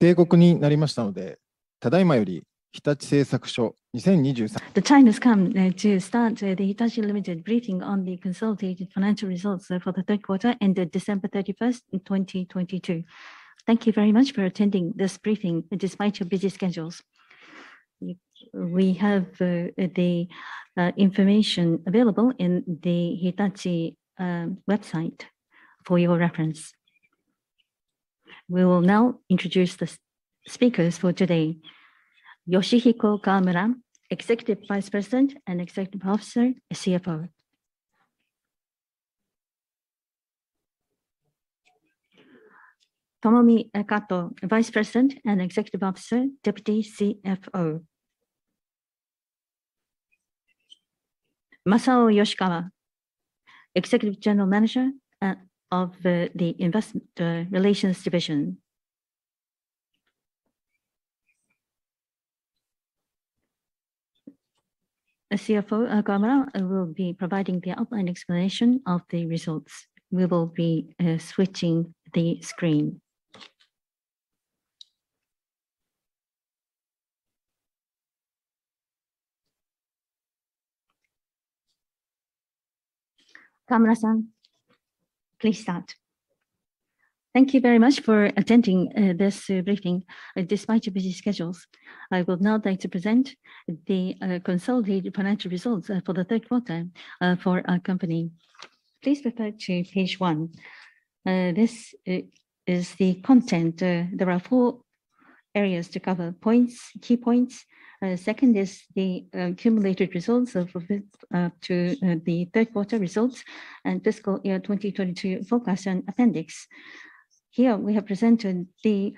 The time has come to start the Hitachi Limited briefing on the consolidated financial results for the third quarter ended December 31st, 2022. Thank you very much for attending this briefing despite your busy schedules. We have the information available in the Hitachi website for your reference. We will now introduce the speakers for today. Yoshihiko Kawamura, Executive Vice President and Executive Officer, CFO. Tomomi Kato, Vice President and Executive Officer, Deputy CFO. Masao Yoshikawa, Executive General Manager of the Investor Relations Division. CFO Kawamura will be providing the outline explanation of the results. We will be switching the screen. Kawamura-san, please start. Thank you very much for attending this briefing despite your busy schedules. I would now like to present the consolidated financial results for the third quarter for our company. Please refer to page one This is the content. There are four areas to cover. Points, key points. Second is the accumulated results of the third quarter results and fiscal year 2022 forecast and appendix. Here we have presented the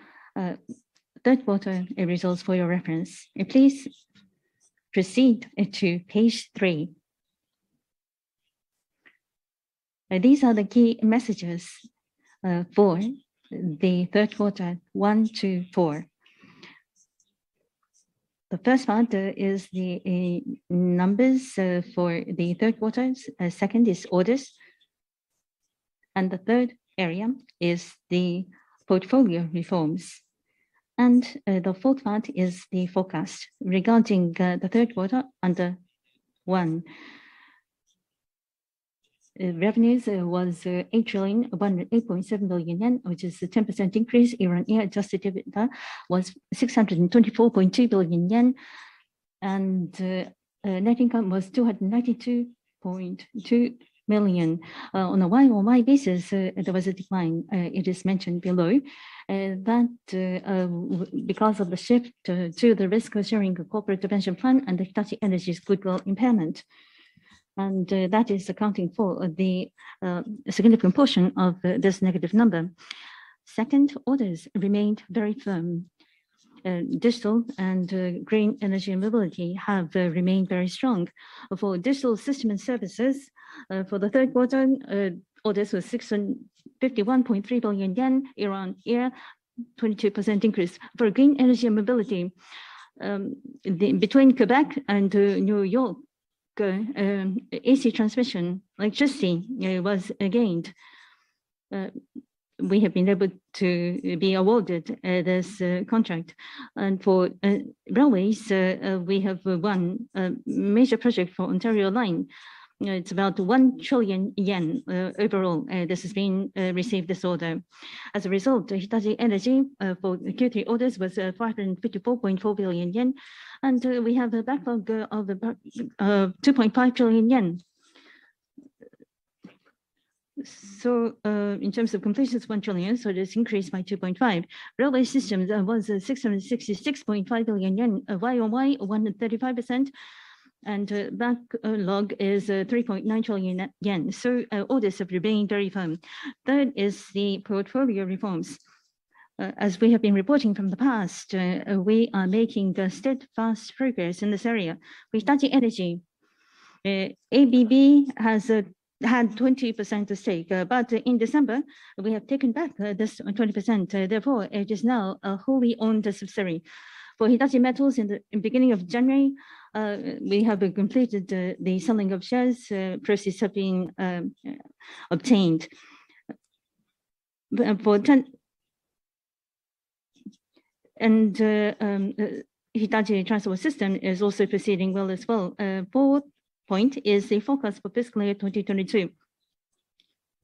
third quarter results for your reference. Please proceed to page three. These are the key messages for the third quarter, one to four. The first part is the numbers for the third quarter. Second is orders, and the third area is the portfolio reforms. The fourth part is the forecast. Regarding the third quarter, under one, revenues was 8,108.7 billion yen, which is a 10% increase year-on-year. Adjusted EBITDA was 624.2 billion yen, and Net Income was 292.2 million. On a YoY basis, there was a decline. It is mentioned below. That because of the shift to the risk-sharing corporate pension plan and Hitachi Energy's goodwill impairment. That is accounting for the significant portion of this negative number. Second, orders remained very firm. Digital and Green Energy & Mobility have remained very strong. For Digital Systems & Services, for the third quarter, orders was 651.3 billion yen, year-on-year 22% increase. For Green Energy & Mobility, between Quebec and New York, AC transmission, electricity was gained. We have been able to be awarded this contract. For railways, we have won major project for Ontario Line. It's about 1 trillion yen overall. This has been received this order. As a result, Hitachi Energy for Q3 orders was 554.4 billion yen, and we have a backlog of about 2.5 trillion yen. In terms of completions, 1 trillion, so it has increased by 2.5 trillion. Railway Systems was 666.5 billion yen. YoY, 135%, and backlog is 3.9 trillion yen. Orders have remained very firm. Third is the portfolio reforms. As we have been reporting from the past, we are making the steadfast progress in this area. Hitachi Energy, ABB has had 20% stake, but in December, we have taken back this 20%. Therefore, it is now a wholly owned subsidiary. For Proterial, Ltd. in the beginning of January, we have completed the selling of shares. Process have been obtained. LOGISTEED, Ltd. is also proceeding well as well. Fourth point is the forecast for fiscal year 2022.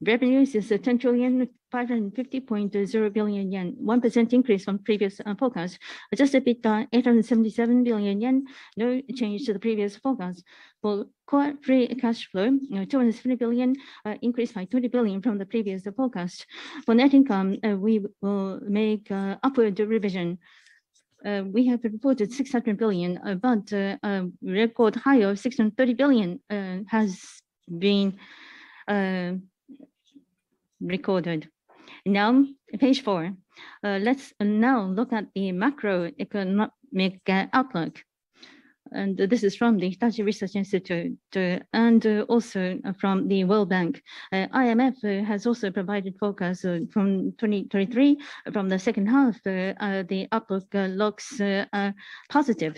Revenues is 10,550.0 billion yen. 1% increase from previous forecast. Adjusted EBITDA, 877 billion yen, no change to the previous forecast. For core free cash flow, you know, 203 billion, increase by 20 billion from the previous forecast. For Net Income, we will make upward revision. We have reported 600 billion, but a record high of 630 billion has been recorded. Now, page four. Let's now look at the macroeconomic outlook. This is from the Hitachi Research Institute and also from the World Bank. IMF has also provided forecast from 2023. From the second half, the outlook looks positive.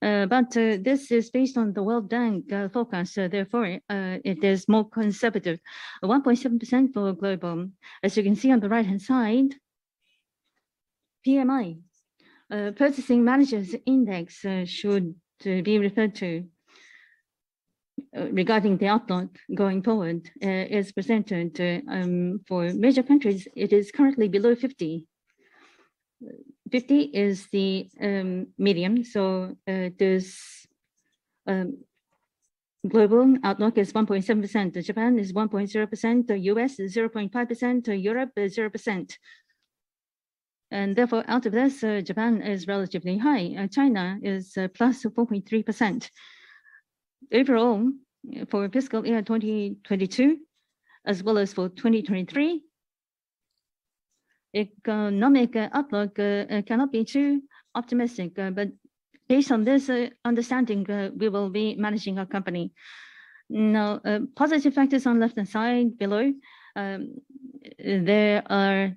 But this is based on the World Bank forecast, therefore, it is more conservative. 1.7% for global. As you can see on the right-hand side-PMI, Purchasing Managers' Index, should to be referred to, regarding the outlook going forward, is presented to for major countries, it is currently below 50. 50 is the medium, this global outlook is 1.7%, Japan is 1.0%, the U.S. is 0.5%, Europe is 0%. Therefore, out of this, Japan is relatively high. China is +4.3%. Overall, for fiscal year 2022, as well as for 2023, economic outlook cannot be too optimistic. Based on this understanding, we will be managing our company. Positive factors on left-hand side below, there are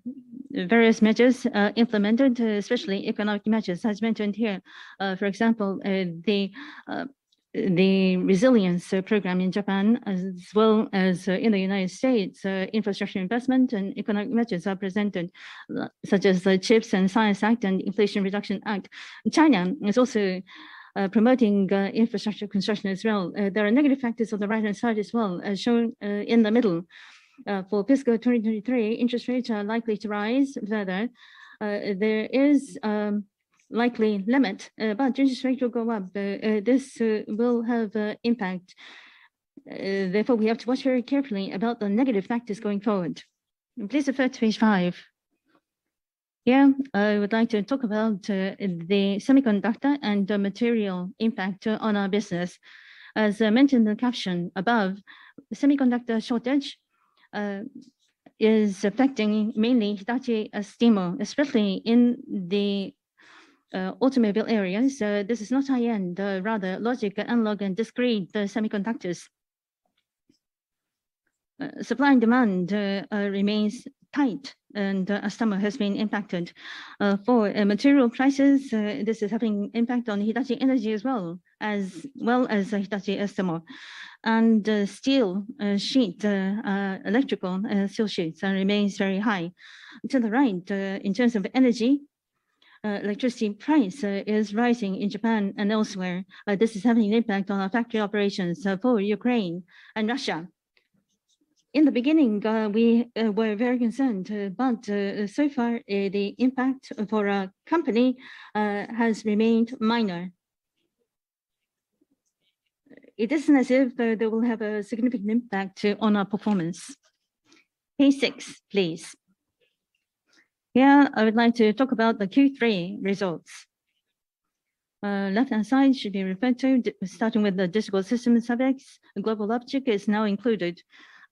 various measures, implemented, especially economic measures, as mentioned here. For example, the resilience program in Japan, as well as in the United States, infrastructure investment and economic measures are presented, such as the CHIPS and Science Act and Inflation Reduction Act. China is also promoting infrastructure construction as well. There are negative factors on the right-hand side as well, as shown in the middle. For fiscal 2023, interest rates are likely to rise further. There is likely limit, but interest rate will go up. This will have a impact. Therefore, we have to watch very carefully about the negative factors going forward. Please refer to page five. Here, I would like to talk about the semiconductor and the material impact on our business. As mentioned in the caption above, semiconductor shortage is affecting mainly Hitachi Astemo, especially in the automobile areas. This is not high-end, rather logic, analog, and discrete semiconductors. Supply and demand remains tight, and Astemo has been impacted. For material prices, this is having impact on Hitachi Energy as well, as well as Hitachi Astemo. Steel sheet, electrical steel sheets, remains very high. To the right, in terms of energy, electricity price is rising in Japan and elsewhere. This is having an impact on our factory operations for Ukraine and Russia. In the beginning, we were very concerned, but so far, the impact for our company has remained minor. It isn't as if they will have a significant impact on our performance. Page six, please. Here, I would like to talk about the Q3 results. Left-hand side should be referred to, starting with the Digital Systems, Subex. GlobalLogic is now included,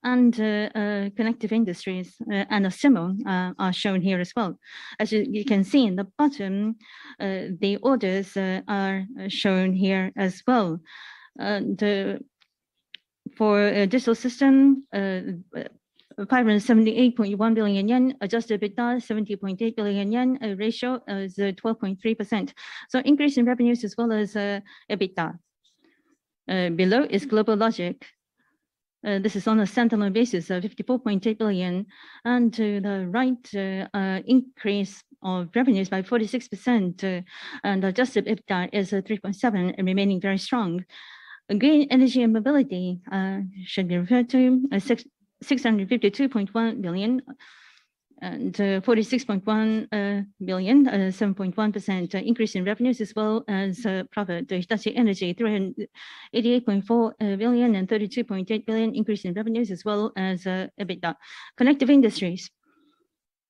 and Connective Industries and Astemo are shown here as well. As you can see in the bottom, the orders are shown here as well. For Digital Systems, 578.1 billion yen, Adjusted EBITDA 70.8 billion yen, ratio is 12.3%. Increase in revenues as well as EBITDA. Below is GlobalLogic. This is on a standalone basis, 54.8 billion. To the right, increase of revenues by 46%, and Adjusted EBITDA is 3.7 billion, remaining very strong. Green Energy & Mobility should be referred to 652.1 billion and 46.1 billion.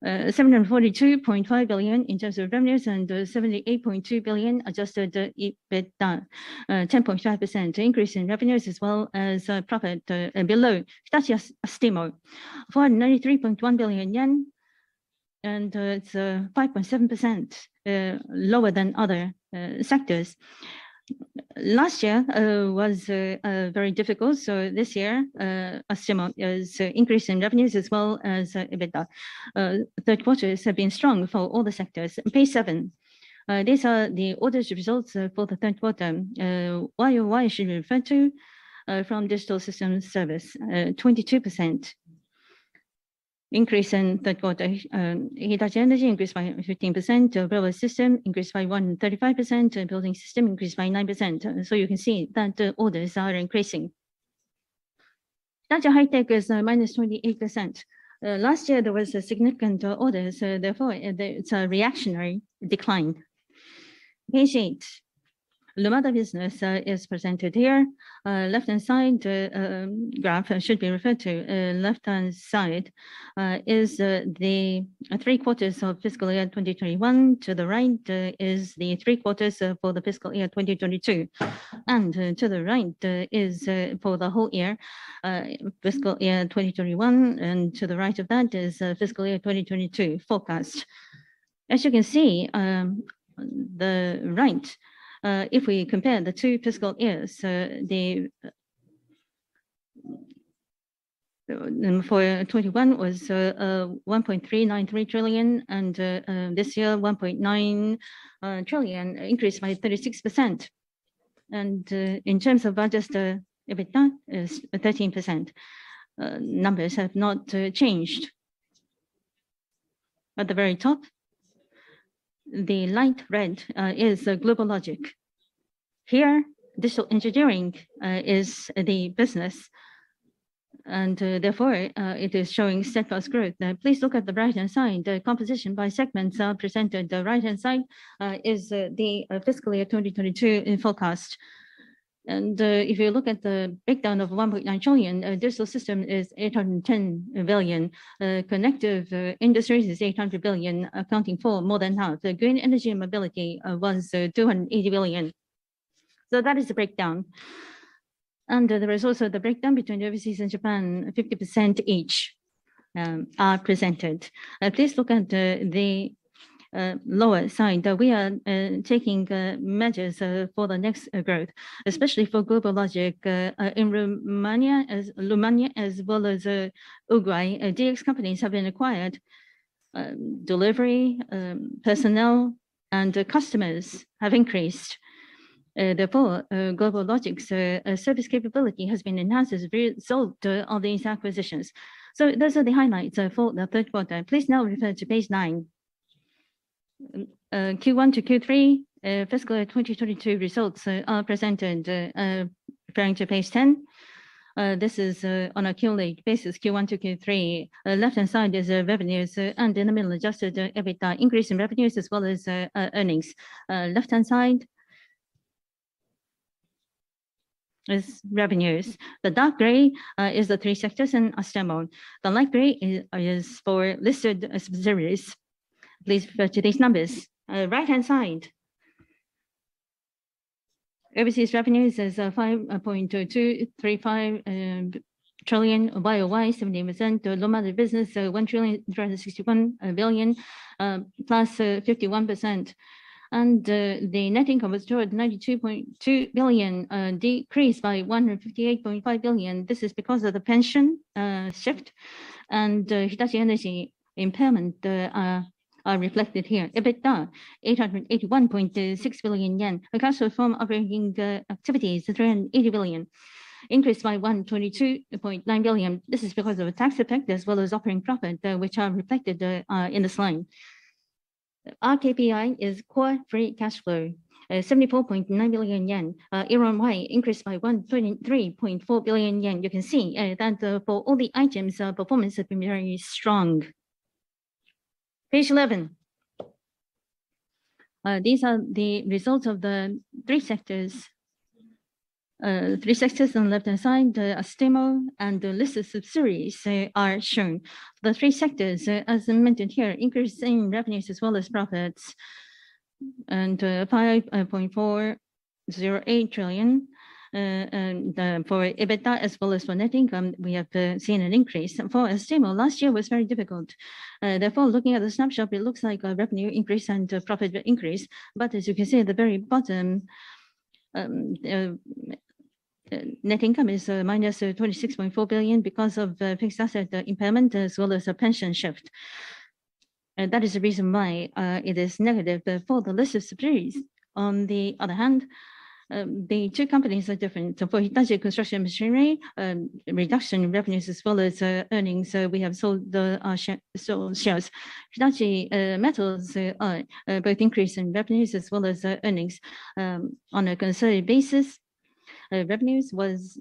7.1% increase in revenues as well as profit. Hitachi Energy, 388.4 billion and 32.8 billion increase in revenues as well as EBITDA. Connective Industries, 742.5 billion in terms of revenues and 78.2 billion Adjusted EBITDA. 10.5% increase in revenues as well as profit and below. Hitachi Astemo, 493.1 billion yen, and it's 5.7% lower than other sectors. Last year was very difficult, this year Astemo is increasing revenues as well as EBITDA. Third quarters have been strong for all the sectors. Page seven. These are the orders results for the third quarter. YoY should be referred to from Digital Systems service. 22% increase in third quarter. Hitachi Energy increased by 15%. Railway System increased by 135%. Building System increased by 9%. You can see that orders are increasing. Hitachi High-Tech is minus 28%. Last year, there was a significant order, therefore, it's a reactionary decline. Page eight. Lumada business is presented here. Left-hand side graph should be referred to. Left-hand side is the three quarters of fiscal year 2021. To the right, is the three quarters for the fiscal year 2022. To the right, is for the whole year, fiscal year 2021, and to the right of that is fiscal year 2022 forecast. As you can see, the right, if we compare the two fiscal years, 2021 was 1.393 trillion, and this year, 1.9 trillion, increase by 36%. In terms of Adjusted EBITDA is 13%. Numbers have not changed. At the very top, the light red, is GlobalLogic. Here, Digital Engineering is the business, and therefore, it is showing steadfast growth. Now please look at the right-hand side. The composition by segments are presented. The right-hand side is the fiscal year 2022 in forecast. If you look at the breakdown of 1.9 trillion, Digital Systems is 810 billion. Connective Industries is 800 billion, accounting for more than half. The Green Energy & Mobility was 280 billion. That is the breakdown. There is also the breakdown between overseas and Japan, 50% each, are presented. Please look at the lower side. We are taking measures for the next growth, especially for GlobalLogic. In Romania, as well as Ukraine, DX companies have been acquired. Delivery, personnel, and customers have increased. Therefore, GlobalLogic's service capability has been enhanced as a result of these acquisitions. Those are the highlights for the third quarter. Please now refer to page nine. Q1 to Q3, fiscal year 2022 results are presented. Referring to page 10, this is on a cumulative basis, Q1 to Q3. Left-hand side is revenues, and in the middle, Adjusted EBITDA. Increase in revenues as well as earnings. Left-hand side is revenues. The dark gray is the three sectors in Astemo. The light gray is for listed subsidiaries. Please refer to these numbers. Right-hand side, overseas revenues is 5.235 trillion YOY, 17%. Domestic business 1,261 billion, plus 51%. The Net Income was 292.2 billion, decreased by 158.5 billion. This is because of the pension shift and Hitachi Energy impairment are reflected here. EBITDA, 881.6 billion yen. The cash flow from operating activities, 380 billion, increased by 122.9 billion. This is because of a tax effect as well as operating profit, which are reflected in the slide. Our KPI is core free cash flow, 74.9 billion yen, YOY, increased by 123.4 billion yen. You can see that for all the items, our performance has been very strong. Page 11. These are the results of the three sectors. Three sectors on left-hand side, the Astemo and the listed subsidiaries are shown. The three sectors, as mentioned here, increasing revenues as well as profits, 5.408 trillion. For EBITDA as well as for Net Income, we have seen an increase. For Astemo, last year was very difficult. Therefore, looking at the snapshot, it looks like revenue increase and profit increase. As you can see at the very bottom, Net Income is -26.4 billion because of fixed asset impairment as well as a pension shift. That is the reason why it is negative. For the listed subsidiaries, on the other hand, the two companies are different. For Hitachi Construction Machinery, reduction in revenues as well as earnings, so we have sold the sold shares. Hitachi Metals are both increase in revenues as well as earnings. On a consolidated basis, revenues was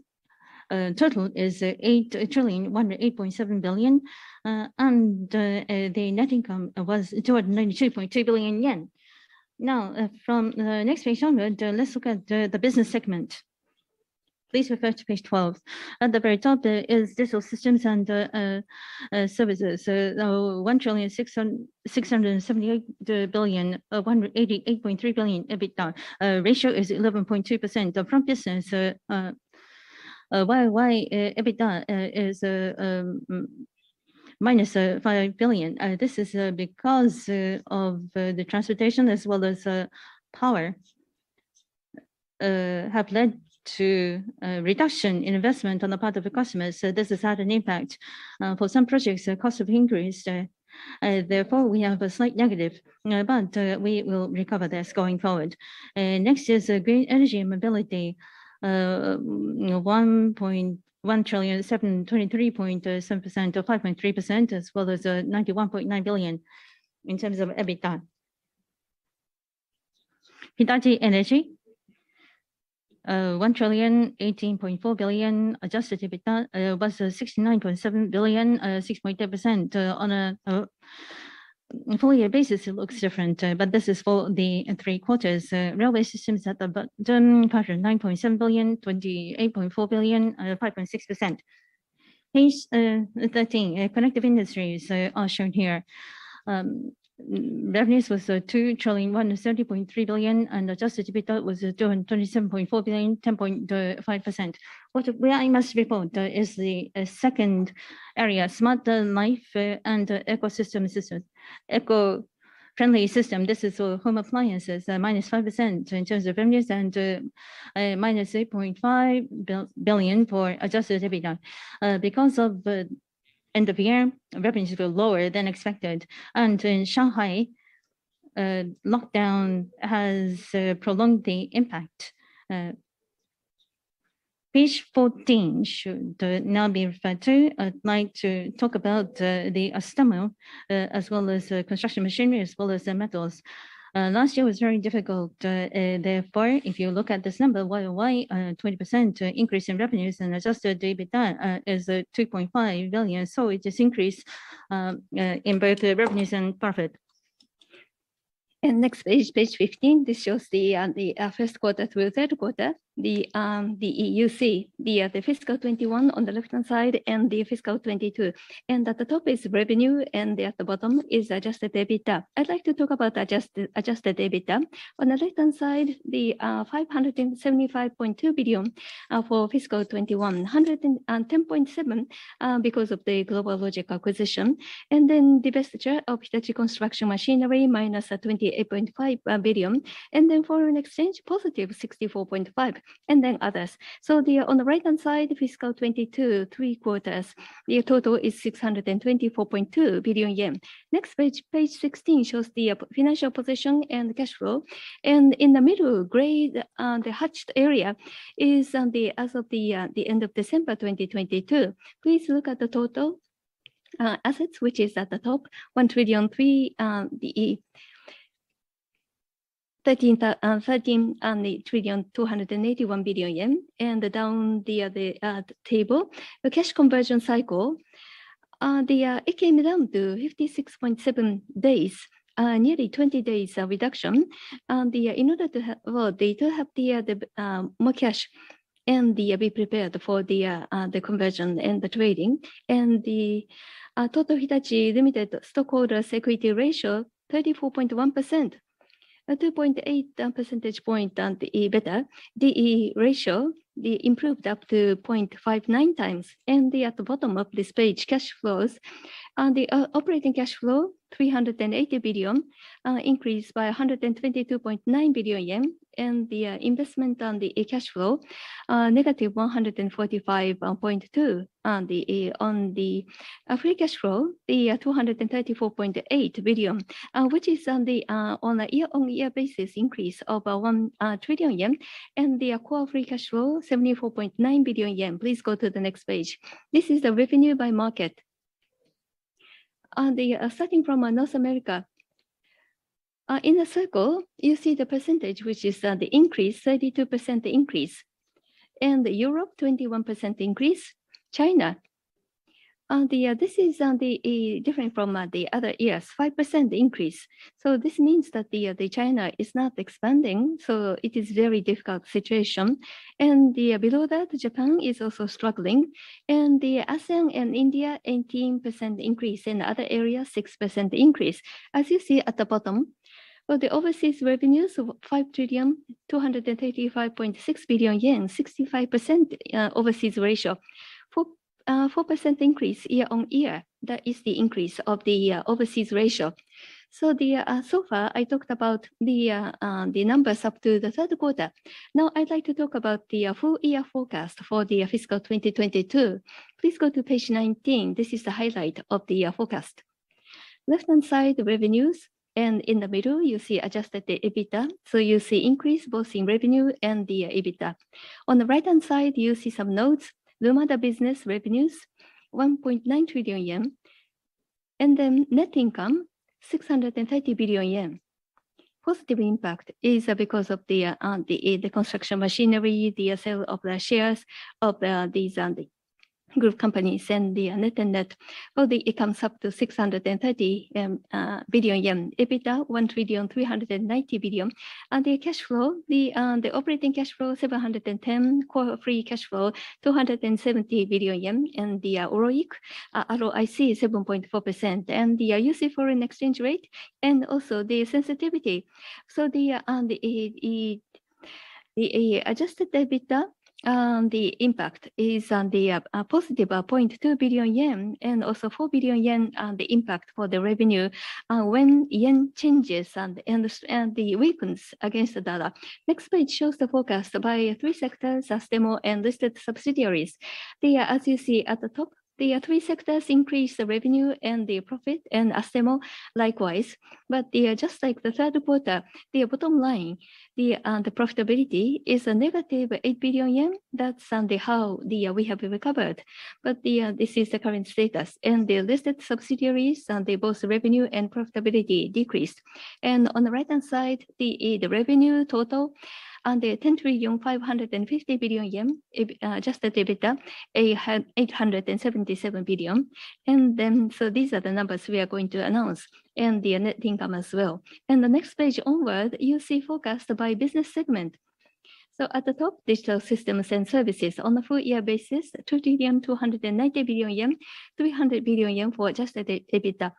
total is 8 trillion 108.7 billion. The Net Income was 292.2 billion yen. From next page onward, let's look at the business segment. Please refer to page 12. At the very top, is Digital Systems and Services. 1 trillion 678 billion, 188.3 billion EBITDA. Ratio is 11.2%. Front Business, YOY EBITDA is minus 5 billion. this is, because of the transportation as well as, power, uh, have led to reduction in investment on the part of the customers. So this has had an impact. Uh, for some projects, the cost have increased, uh, uh, therefore, we have a slight negative. Uh, but, uh, we will recover this going forward. Uh, next is, uh, Green Energy and Mobility. Uh, uh, you know, one point one trillion, seven twenty-three point seven percent to five point three percent, as well as, uh, ninety-one point nine billion in terms of EBITDA. Hitachi Energy, uh, one trillion eighteen point four billion. Adjusted EBITDA, uh, was, uh, sixty-nine point seven billion, uh, six point two percent. Uh, on a, a full year basis, it looks different, uh, but this is for the three quarters. Railway Systems at the bottom, 509.7 billion, 28.4 billion, 5.6%. Page 13, Connective Industries are shown here. Revenues was 2,130.3 billion, and Adjusted EBITDA was 227.4 billion, 10.5%. What, where I must report is the second area, Smart Life and Ecosystem Systems. Eco-friendly Systems. This is for home appliances, -5% in terms of revenues and -8.5 billion for Adjusted EBITDA. Because of- End of year, revenues were lower than expected. In Shanghai, a lockdown has prolonged the impact. Page 14 should now be referred to. I'd like to talk about the Astemo, as well as Construction Machinery, as well as the Metals. Last year was very difficult. Therefore, if you look at this number, YoY, 20% increase in revenues and Adjusted EBITDA is 2.5 billion. It is increase in both the revenues and profit. Next page 15, this shows the first quarter through the third quarter. The fiscal 21 on the left-hand side and the fiscal 22. At the top is revenue, and at the bottom is Adjusted EBITDA. I'd like to talk about Adjusted EBITDA. On the left-hand side, the 575.2 billion for fiscal 2021. 110.7 because of the GlobalLogic acquisition, and then divestiture of Hitachi Construction Machinery, minus 28.5 billion, and then foreign exchange, positive 64.5, and then others. On the right-hand side, fiscal 2022, three quarters, the total is 624.2 billion yen. Next page 16, shows the financial position and cash flow. In the middle gray, the hatched area is on the, as of the end of December 2022. Please look at the total assets, which is at the top, 1 trillion 281 billion. Down the table, the cash conversion cycle, it came down to 56.7 days, nearly 20 days reduction. Well, they do have more cash and be prepared for the conversion and the trading. The total Hitachi, Ltd. stockholders' equity ratio, 34.1%. 2.8 percentage point and better. The ratio improved up to 0.59 times. At the bottom of this page, cash flows. The operating cash flow, 380 billion, increased by 122.9 billion yen. The investment and cash flow, -145.2. The on the free cash flow, the 234.8 billion, which is on the on a year-on-year basis increase of 1 trillion yen. The core free cash flow, 74.9 billion yen. Please go to the next page. This is the revenue by market. The starting from North America. In the circle, you see the percentage, which is the increase, 32% increase. Europe, 21% increase. China. This is the different from the other years, 5% increase. This means that the China is not expanding, so it is very difficult situation. The below that, Japan is also struggling. The ASEAN and India, 18% increase. In other areas, 6% increase. As you see at the bottom, well, the overseas revenues of 5 trillion 235.6 billion, 65% overseas ratio. 4% increase YoY. That is the increase of the overseas ratio. So far, I talked about the numbers up to the third quarter. Now I'd like to talk about the full year forecast for the fiscal 2022. Please go to page 19. This is the highlight of the forecast. Left-hand side, revenues, in the middle, you see Adjusted EBITDA. You see increase both in revenue and EBITDA. On the right-hand side, you see some notes. Lumada Business revenues, 1.9 trillion yen. Net Income, 630 billion yen. Positive impact is because of the construction machinery, the sale of the shares of these group companies and the net-and-net. It comes up to 630 billion yen. EBITDA, 1,390 billion. The cash flow, the operating cash flow, 710 billion. Core free cash flow, 270 billion yen. The ROIC, 7.4%. The UC foreign exchange rate and also the sensitivity. The Adjusted EBITDA, the impact is on the positive 0.2 billion yen, and also 4 billion yen on the impact for the revenue, when yen changes and weakens against the dollar. Next page shows the forecast by three sectors, Astemo and listed subsidiaries. As you see at the top, the three sectors increase the revenue and the profit, and Astemo likewise. Just like the third quarter, the bottom line, the profitability is a negative 8 billion yen. That's how we have recovered. This is the current status. The listed subsidiaries, they both revenue and profitability decreased. On the right-hand side, the revenue total 10,550 billion yen. Adjusted EBITDA, 877 billion. These are the numbers we are going to announce, and the Net Income as well. Next page onward, you see forecast by business segment. At the top, Digital Systems and Services. On the full year basis, 2,290 billion yen, 300 billion yen for Adjusted EBITDA.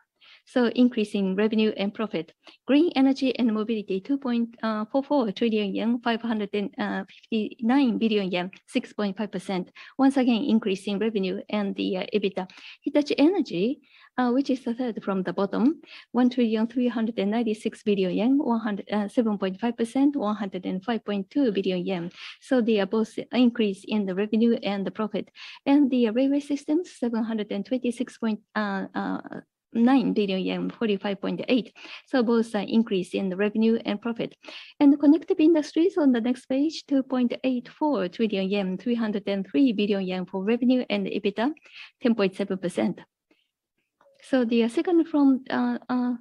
Increase in revenue and profit. Green Energy & Mobility, 2.44 trillion yen, 559 billion yen, 6.5%. Once again, increase in revenue and the EBITDA. Hitachi Energy, which is the third from the bottom, 1,396 billion yen, 7.5%, 105.2 billion yen. They are both increase in the revenue and the profit. The Railway Systems, 726.9 billion yen, 45.8 billion. Both are increase in the revenue and profit. The Connective Industries on the next page, 2.84 trillion yen, 303 billion yen for revenue, and EBITDA, 10.7%. The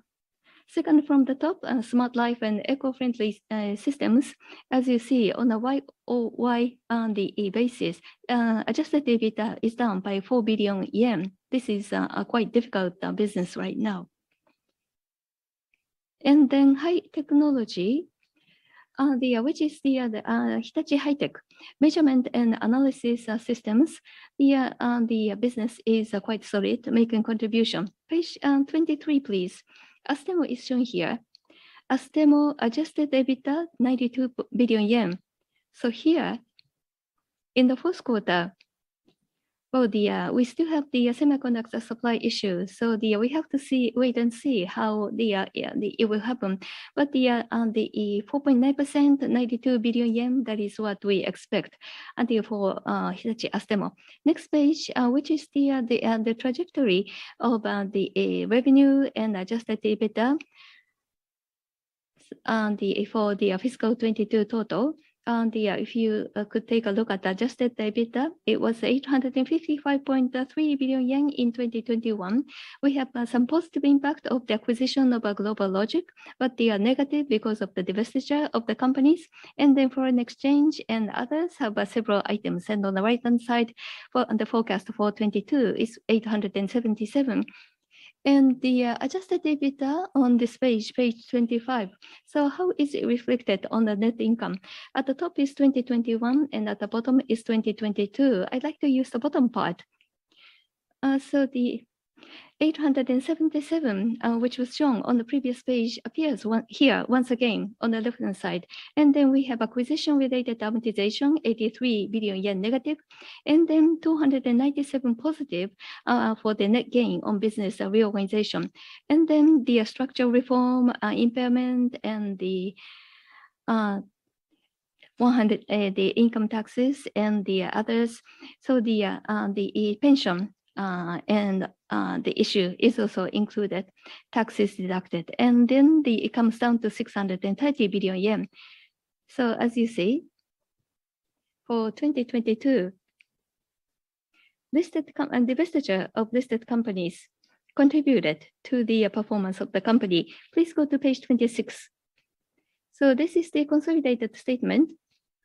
second from the top, Smart Life and Ecofriendly Systems, as you see on a YoY and E basis, Adjusted EBITDA is down by 4 billion yen. This is a quite difficult business right now. High technology, the which is the Hitachi High-Tech measurement and analysis systems, the business is quite solid, making contribution. Page 23, please. Astemo is shown here. Astemo Adjusted EBITDA, 92 billion yen. Here in the first quarter for the, we still have the semiconductor supply issue, the we have to see, wait and see how the it will happen. The 4.9%, 92 billion yen, that is what we expect and therefore, Hitachi Astemo. Next page, which is the trajectory of the revenue and Adjusted EBITDA for the fiscal 2022 total. If you could take a look at the Adjusted EBITDA, it was 855.3 billion yen in 2021. We have some positive impact of the acquisition of GlobalLogic, but they are negative because of the divestiture of the companies. Foreign exchange and others have several items. On the right-hand side for the forecast for 2022 is 877 billion. The Adjusted EBITDA on this page 25. How is it reflected on the Net Income? At the top is 2021, and at the bottom is 2022. I'd like to use the bottom part. The 877, which was shown on the previous page appears here once again on the left-hand side. We have acquisition-related amortization, 83 billion yen negative, and 297 billion positive for the net gain on business reorganization. The structural reform impairment and the 100 billion, the income taxes and the others. The pension and the issue is also included, taxes deducted. It comes down to 630 billion yen. As you see, for 2022, listed and divestiture of listed companies contributed to the performance of the company. Please go to page 26. This is the consolidated statement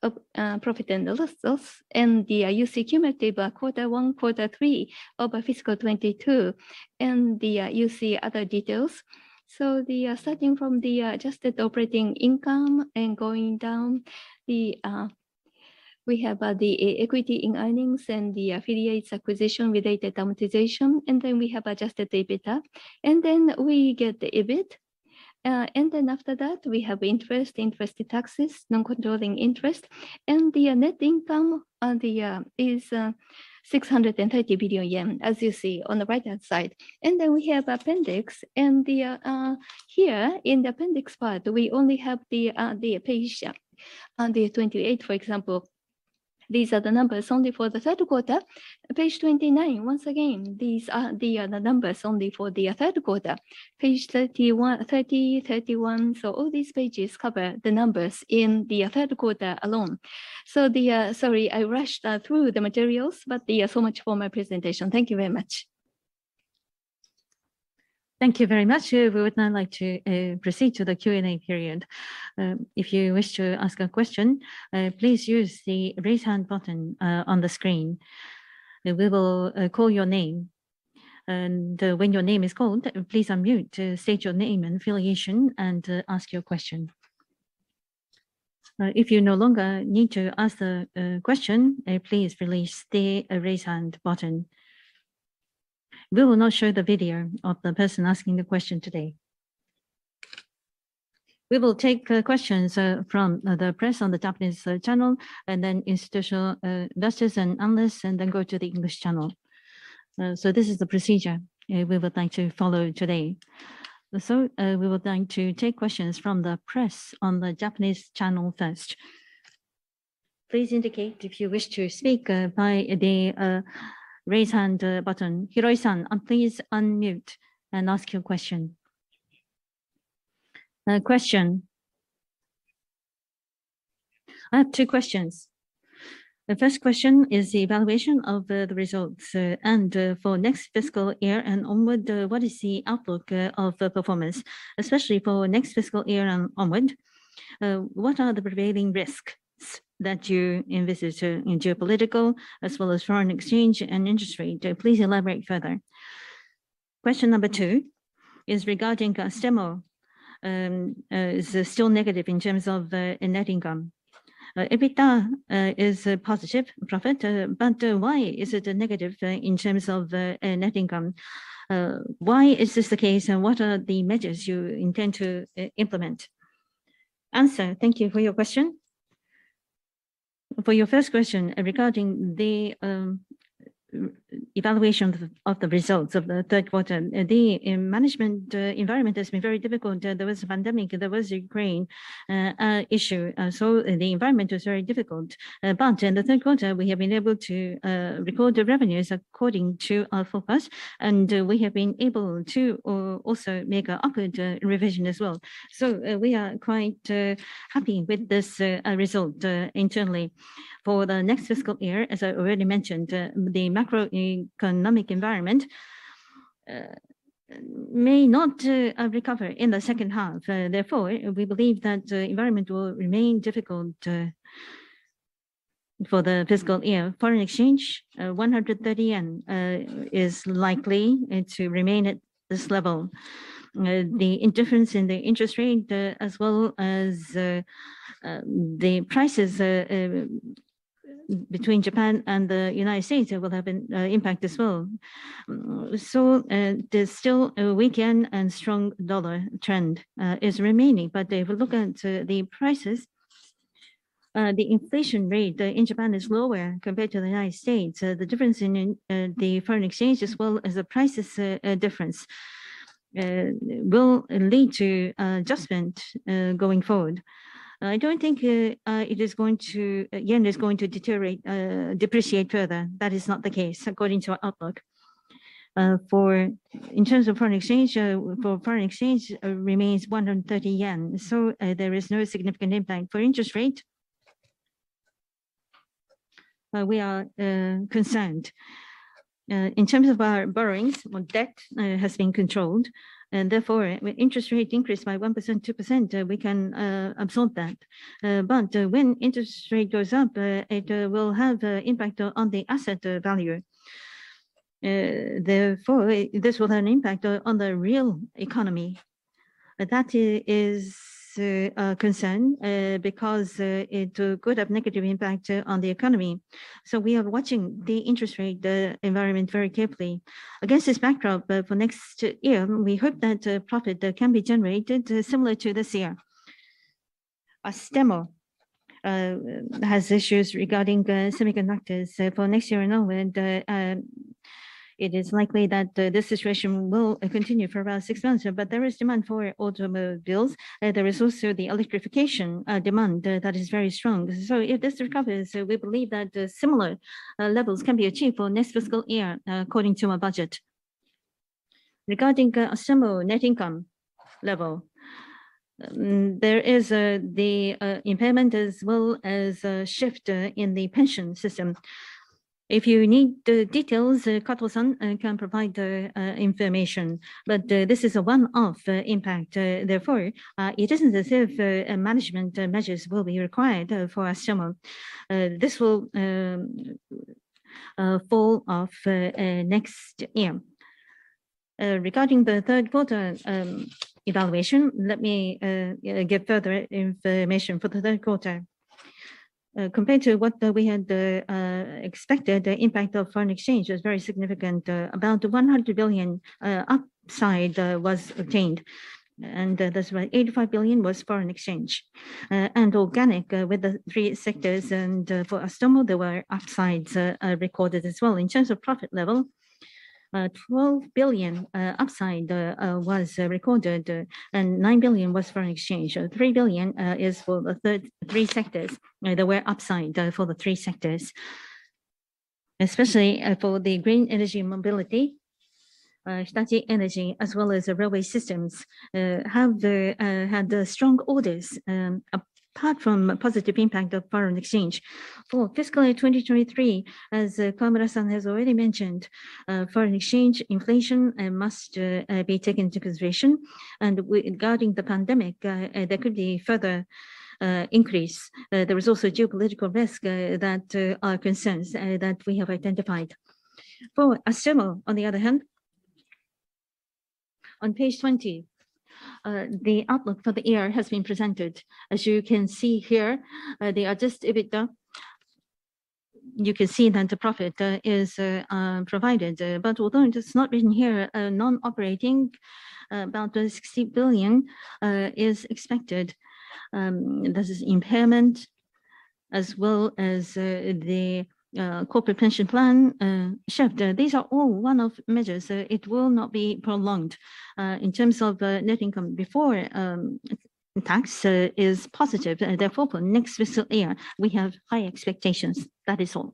of profit and losses, and the, you see cumulative quarter one, quarter three of fiscal 2022, and the, you see other details. Starting from the Adjusted operating income and going down the, we have the e-equity in earnings and the affiliates acquisition related amortization, and then we have Adjusted EBITDA, and then we get the EBIT. After that, we have interest taxes, non-controlling interest, and the Net Income, the, is 630 billion yen, as you see on the right-hand side. We have appendix, and the, here in the appendix part, we only have the page, the 28, for example. These are the numbers only for the third quarter. Page 29, once again, these are the numbers only for the third quarter. Page 31, all these pages cover the numbers in the third quarter alone. Sorry, I rushed through the materials, so much for my presentation. Thank you very much. Thank you very much. We would now like to proceed to the Q&A period. If you wish to ask a question, please use the raise hand button on the screen, and we will call your name. When your name is called, please unmute, state your name and affiliation, ask your question. If you no longer need to ask the question, please release the raise hand button. We will not show the video of the person asking the question today. We will take questions from the press on the Japanese channel and then institutional investors and analysts and then go to the English channel. This is the procedure we would like to follow today. We would like to take questions from the press on the Japanese channel first. Please indicate if you wish to speak by the raise hand button. Hiroi-san, please unmute and ask your question. Question. I have two questions. The first question is the evaluation of the results and for next fiscal year and onward, what is the outlook of performance? Especially for next fiscal year and onward, what are the prevailing risks that you envisage in geopolitical as well as foreign exchange and industry? Please elaborate further. Question number two is regarding Astemo. It's still negative in terms of Net Income. EBITDA is a positive profit, but why is it a negative in terms of Net Income? Why is this the case, and what are the measures you intend to implement? Answer. Thank you for your question. For your first question, regarding the evaluation of the results of the third quarter, the management environment has been very difficult. There was a pandemic, there was a Ukraine issue, so the environment was very difficult. In the third quarter, we have been able to record the revenues according to our forecast, and we have been able to also make a upward revision as well. We are quite happy with this result internally. For the next fiscal year, as I already mentioned, the macroeconomic environment may not recover in the second half. Therefore, we believe that environment will remain difficult for the fiscal year. Foreign exchange, 130 yen is likely to remain at this level. The indifference in the interest rate, as well as the prices between Japan and the United States will have an impact as well. there's still a weakened and strong dollar trend is remaining. If we look into the prices, the inflation rate in Japan is lower compared to the United States. The difference in the foreign exchange as well as the prices difference will lead to adjustment going forward. I don't think yen is going to deteriorate, depreciate further. That is not the case according to our outlook. In terms of foreign exchange, for foreign exchange, remains 130 yen, so there is no significant impact. For interest rate, we are concerned. In terms of our borrowings, well, debt has been controlled, and therefore when interest rate increase by 1%, 2%, we can absorb that. When interest rate goes up, it will have an impact on the asset value. Therefore, this will have an impact on the real economy. That is a concern because it could have negative impact on the economy. We are watching the interest rate, the environment very carefully. Against this backdrop, for next year, we hope that profit can be generated similar to this year. Astemo has issues regarding semiconductors. For next year and onward, it is likely that this situation will continue for about six months. There is demand for automobiles, there is also the electrification demand that is very strong. If this recovers, we believe that similar levels can be achieved for next fiscal year, according to our budget. Regarding Astemo Net Income level, there is the impairment as well as a shift in the pension system. If you need the details, Kato-san can provide information. This is a one-off impact, therefore, it is as if management measures will be required for Astemo. This will fall off next year. Regarding the third quarter evaluation, let me give further information for the third quarter. Compared to what we had expected, the impact of foreign exchange was very significant. About 100 billion upside was obtained, and that's right, 85 billion was foreign exchange. Organic with the three sectors and for Astemo there were upsides recorded as well. In terms of profit level, 12 billion upside was recorded, and 9 billion was foreign exchange. 3 billion is for the three sectors. There were upside for the three sectors. Especially for the Green Energy & Mobility, Hitachi Energy as well as the Railway Systems had the strong orders apart from positive impact of foreign exchange. For fiscal year 2023, as Kawamura-san has already mentioned, foreign exchange inflation must be taken into consideration. Regarding the pandemic, there could be further increase. There is also geopolitical risk that are concerns that we have identified. For Astemo on the other hand, on page 20, the outlook for the year has been presented. As you can see here, the Adjusted EBITDA, you can see that the profit is provided. Although it is not written here, non-operating, about 60 billion is expected. This is impairment as well as the corporate pension plan shift. These are all one-off measures. It will not be prolonged. In terms of Net Income before tax is positive. For next fiscal year, we have high expectations. That is all.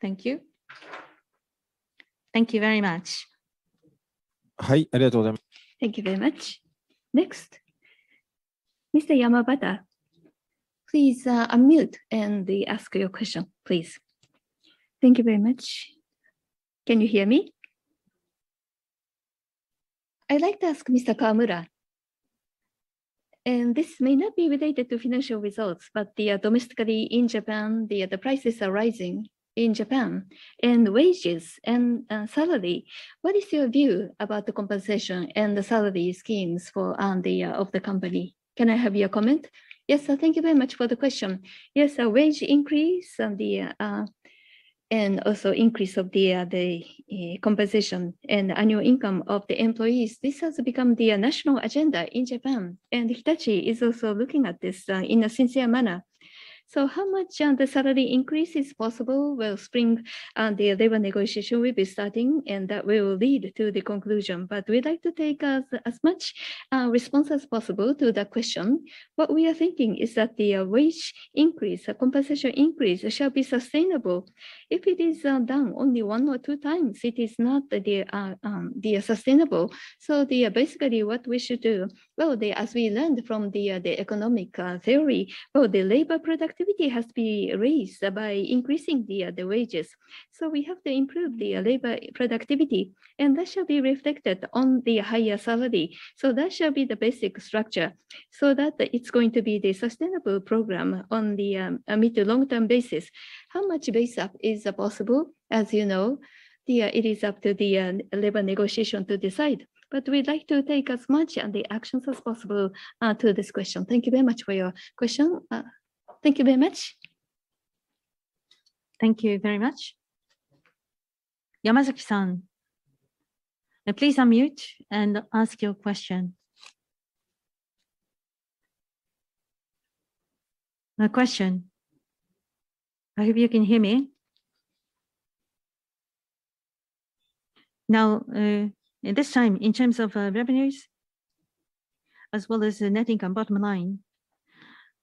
Thank you. Thank you very much. Thank you very much. Next, Mr. Yamabata, please, unmute and ask your question, please. Thank you very much. Can you hear me? I'd like to ask Mr. Kawamura. This may not be related to financial results, but domestically in Japan, the prices are rising in Japan and wages and salary. What is your view about the compensation and the salary schemes for the of the company? Can I have your comment? Thank you very much for the question. A wage increase and also increase of compensation and annual income of the employees, this has become the national agenda in Japan, and Hitachi is also looking at this in a sincere manner. How much salary increase is possible will spring on the labor negotiation we'll be starting, and that will lead to the conclusion. We'd like to take as much response as possible to the question. What we are thinking is that wage increase, the compensation increase shall be sustainable. If it is done only one or two times, it is not sustainable. Basically what we should do, well, as we learned from the economic theory, well, labor productivity has to be raised by increasing the wages. We have to improve the labor productivity, and that should be reflected on the higher salary. That should be the basic structure. That it's going to be the sustainable program on a mid to long-term basis. How much base up is possible? As you know, it is up to the labor negotiation to decide. We'd like to take as much and the actions as possible to this question. Thank you very much for your question. Thank you very much. Thank you very much. Yamazaki-san, please unmute and ask your question. A question. I hope you can hear me. At this time, in terms of revenues as well as the Net Income bottom line,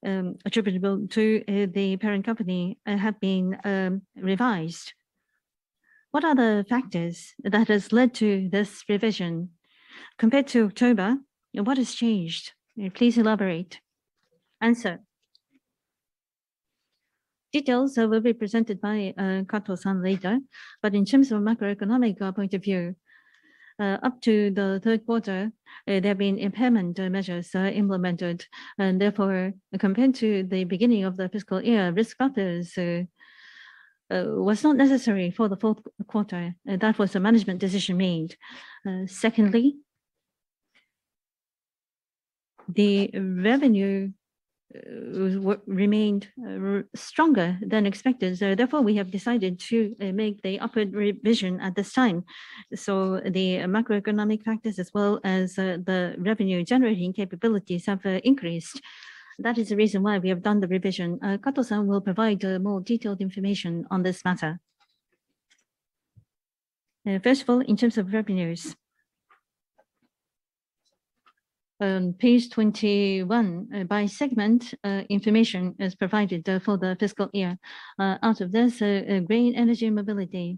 attributable to the parent company, have been revised. What are the factors that has led to this revision? Compared to October, what has changed? Please elaborate. Answer. Details will be presented by Kato-san later. In terms of macroeconomic point of view, up to the third quarter, there have been impairment measures implemented and therefore compared to the beginning of the fiscal year, risk factors was not necessary for the fourth quarter. That was a management decision made. Secondly, the revenue remained stronger than expected, so therefore we have decided to make the upward revision at this time. The macroeconomic factors as well as the revenue generating capabilities have increased. That is the reason why we have done the revision. Kato-san will provide more detailed information on this matter. First of all, in terms of revenues. Page 21, by segment, information is provided for the fiscal year. Out of this, Green Energy and Mobility,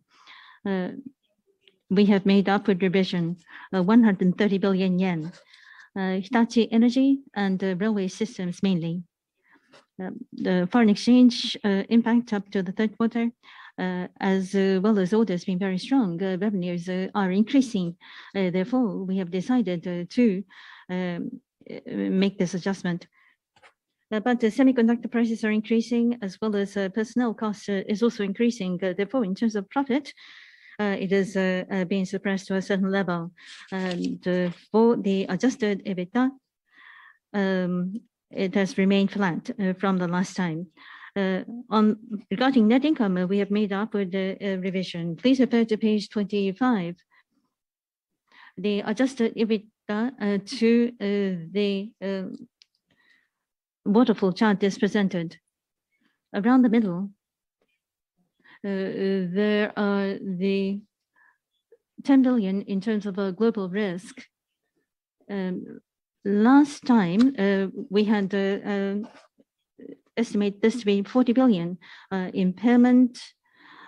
we have made upward revisions of 130 billion yen. Hitachi Energy and Railway Systems mainly. The foreign exchange impact up to the 3rd quarter, as well as orders being very strong, revenues are increasing. Therefore, we have decided to make this adjustment. The semiconductor prices are increasing as well as personnel cost is also increasing. Therefore, in terms of profit, it is being suppressed to a certain level. For the Adjusted EBITDA, it has remained flat from the last time. Regarding Net Income, we have made upward revision. Please refer to page 25. The Adjusted EBITDA to the waterfall chart is presented. Around the middle, there are the 10 billion in terms of global risk. Last time, we had estimate this to be 40 billion, impairment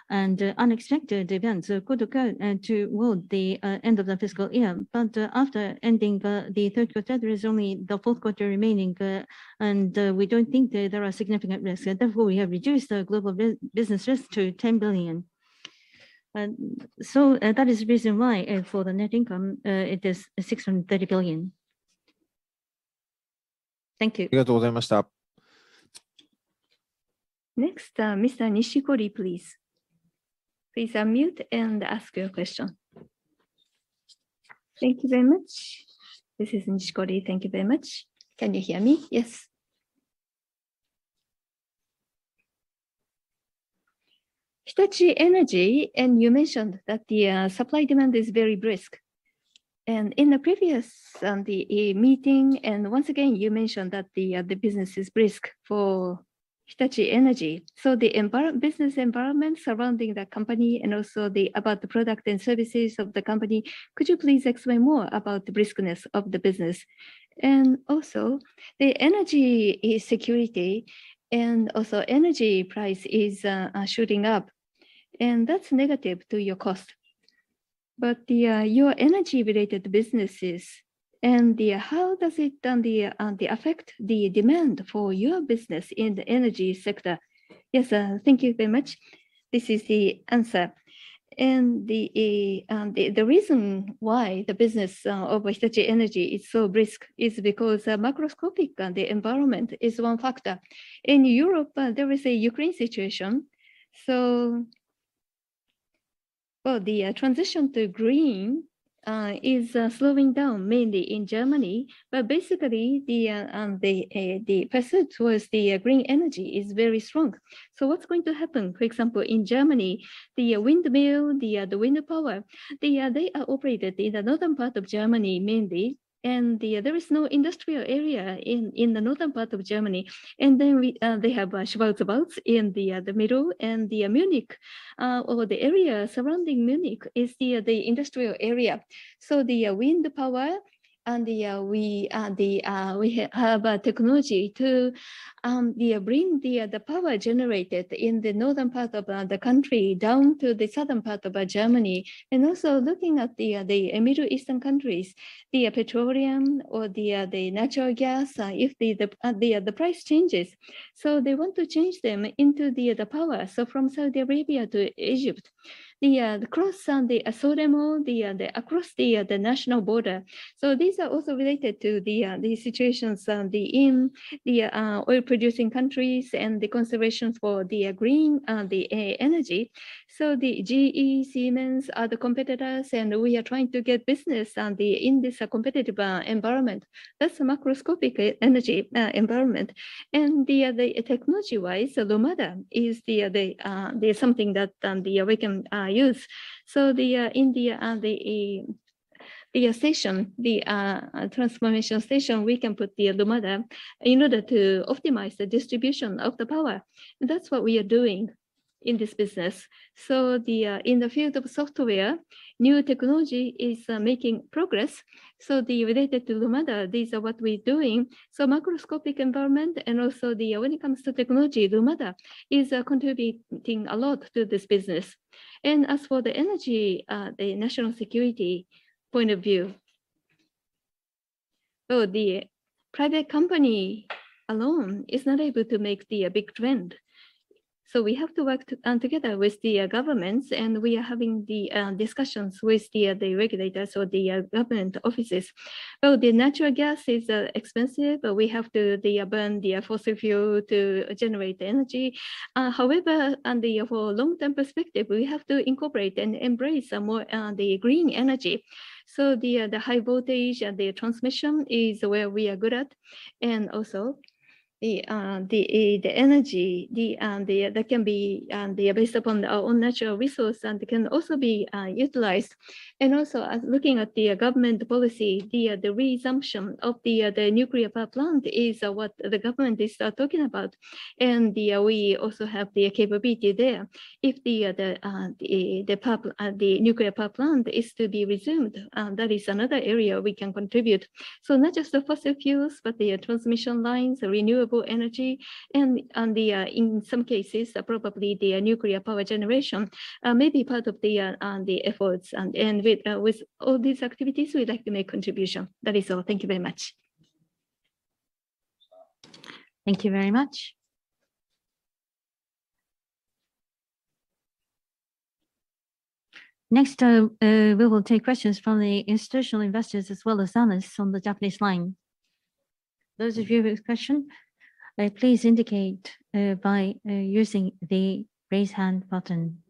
and unexpected events could occur toward the end of the fiscal year. After ending the third quarter, there is only the fourth quarter remaining, and we don't think that there are significant risks. Therefore, we have reduced our global business risk to 10 billion. That is the reason why, for the Net Income, it is 630 billion. Thank you. Next, Mr. Nishikori, please. Please unmute and ask your question. Thank you very much. This is Nishikori. Thank you very much. Can you hear me? Yes. Hitachi Energy. You mentioned that the supply-demand is very brisk. In the previous meeting, and once again, you mentioned that the business is brisk for Hitachi Energy. The environment, business environment surrounding the company and also the, about the product and services of the company, could you please explain more about the briskness of the business? Also, the energy security and also energy price is shooting up, and that's negative to your cost. The your energy-related businesses and the how does it affect the demand for your business in the energy sector? Yes, thank you very much. This is the answer. The reason why the business of Hitachi Energy is so brisk is because macroscopic the environment is one factor. In Europe, there is a Ukraine situation. The transition to green is slowing down mainly in Germany. Basically, the pursuit towards the green energy is very strong. What's going to happen, for example, in Germany, the windmill, the wind power, they are operated in the northern part of Germany mainly, and there is no industrial area in the northern part of Germany. We they have Schwarzwalds in the middle and Munich or the area surrounding Munich is the industrial area. The wind power and we have a technology to bring the power generated in the northern part of the country down to the southern part of Germany. Also looking at the Middle Eastern countries, the petroleum or the natural gas, if the price changes. They want to change them into the power. From Saudi Arabia to Egypt, the cross the Suez Canal, the across the national border. These are also related to the situations in the oil-producing countries and the conservations for the green energy. The GE, Siemens are the competitors, and we are trying to get business in this competitive environment. That's the macroscopic e-energy environment. The technology-wise, so Lumada is the something that we can use. The station, the transformation station, we can put the Lumada in order to optimize the distribution of the power. That's what we are doing in this business. The in the field of software, new technology is making progress, the related to Lumada, these are what we're doing. Macroscopic environment and also the when it comes to technology, Lumada is contributing a lot to this business. As for the energy, the national security point of view, the private company alone is not able to make the big trend. We have to work together with the governments, and we are having the discussions with the regulators or the government offices. The natural gas is expensive, but we have to, the burn the fossil fuel to generate the energy. However, on the for long-term perspective, we have to incorporate and embrace a more the green energy. The high voltage and the transmission is where we are good at, and also the the energy that can be based upon our own natural resource and can also be utilized. As looking at the government policy, the resumption of the nuclear power plant is what the government is start talking about. We also have the capability there. If the the nuclear power plant is to be resumed, that is another area we can contribute. Not just the fossil fuels, but the transmission lines, the renewable energy, and in some cases, probably the nuclear power generation may be part of the efforts. With all these activities, we'd like to make contribution. That is all. Thank you very much. We will take questions from the institutional investors as well as analysts on the Japanese line. Those of you with question, please indicate by using the Raise Hand button.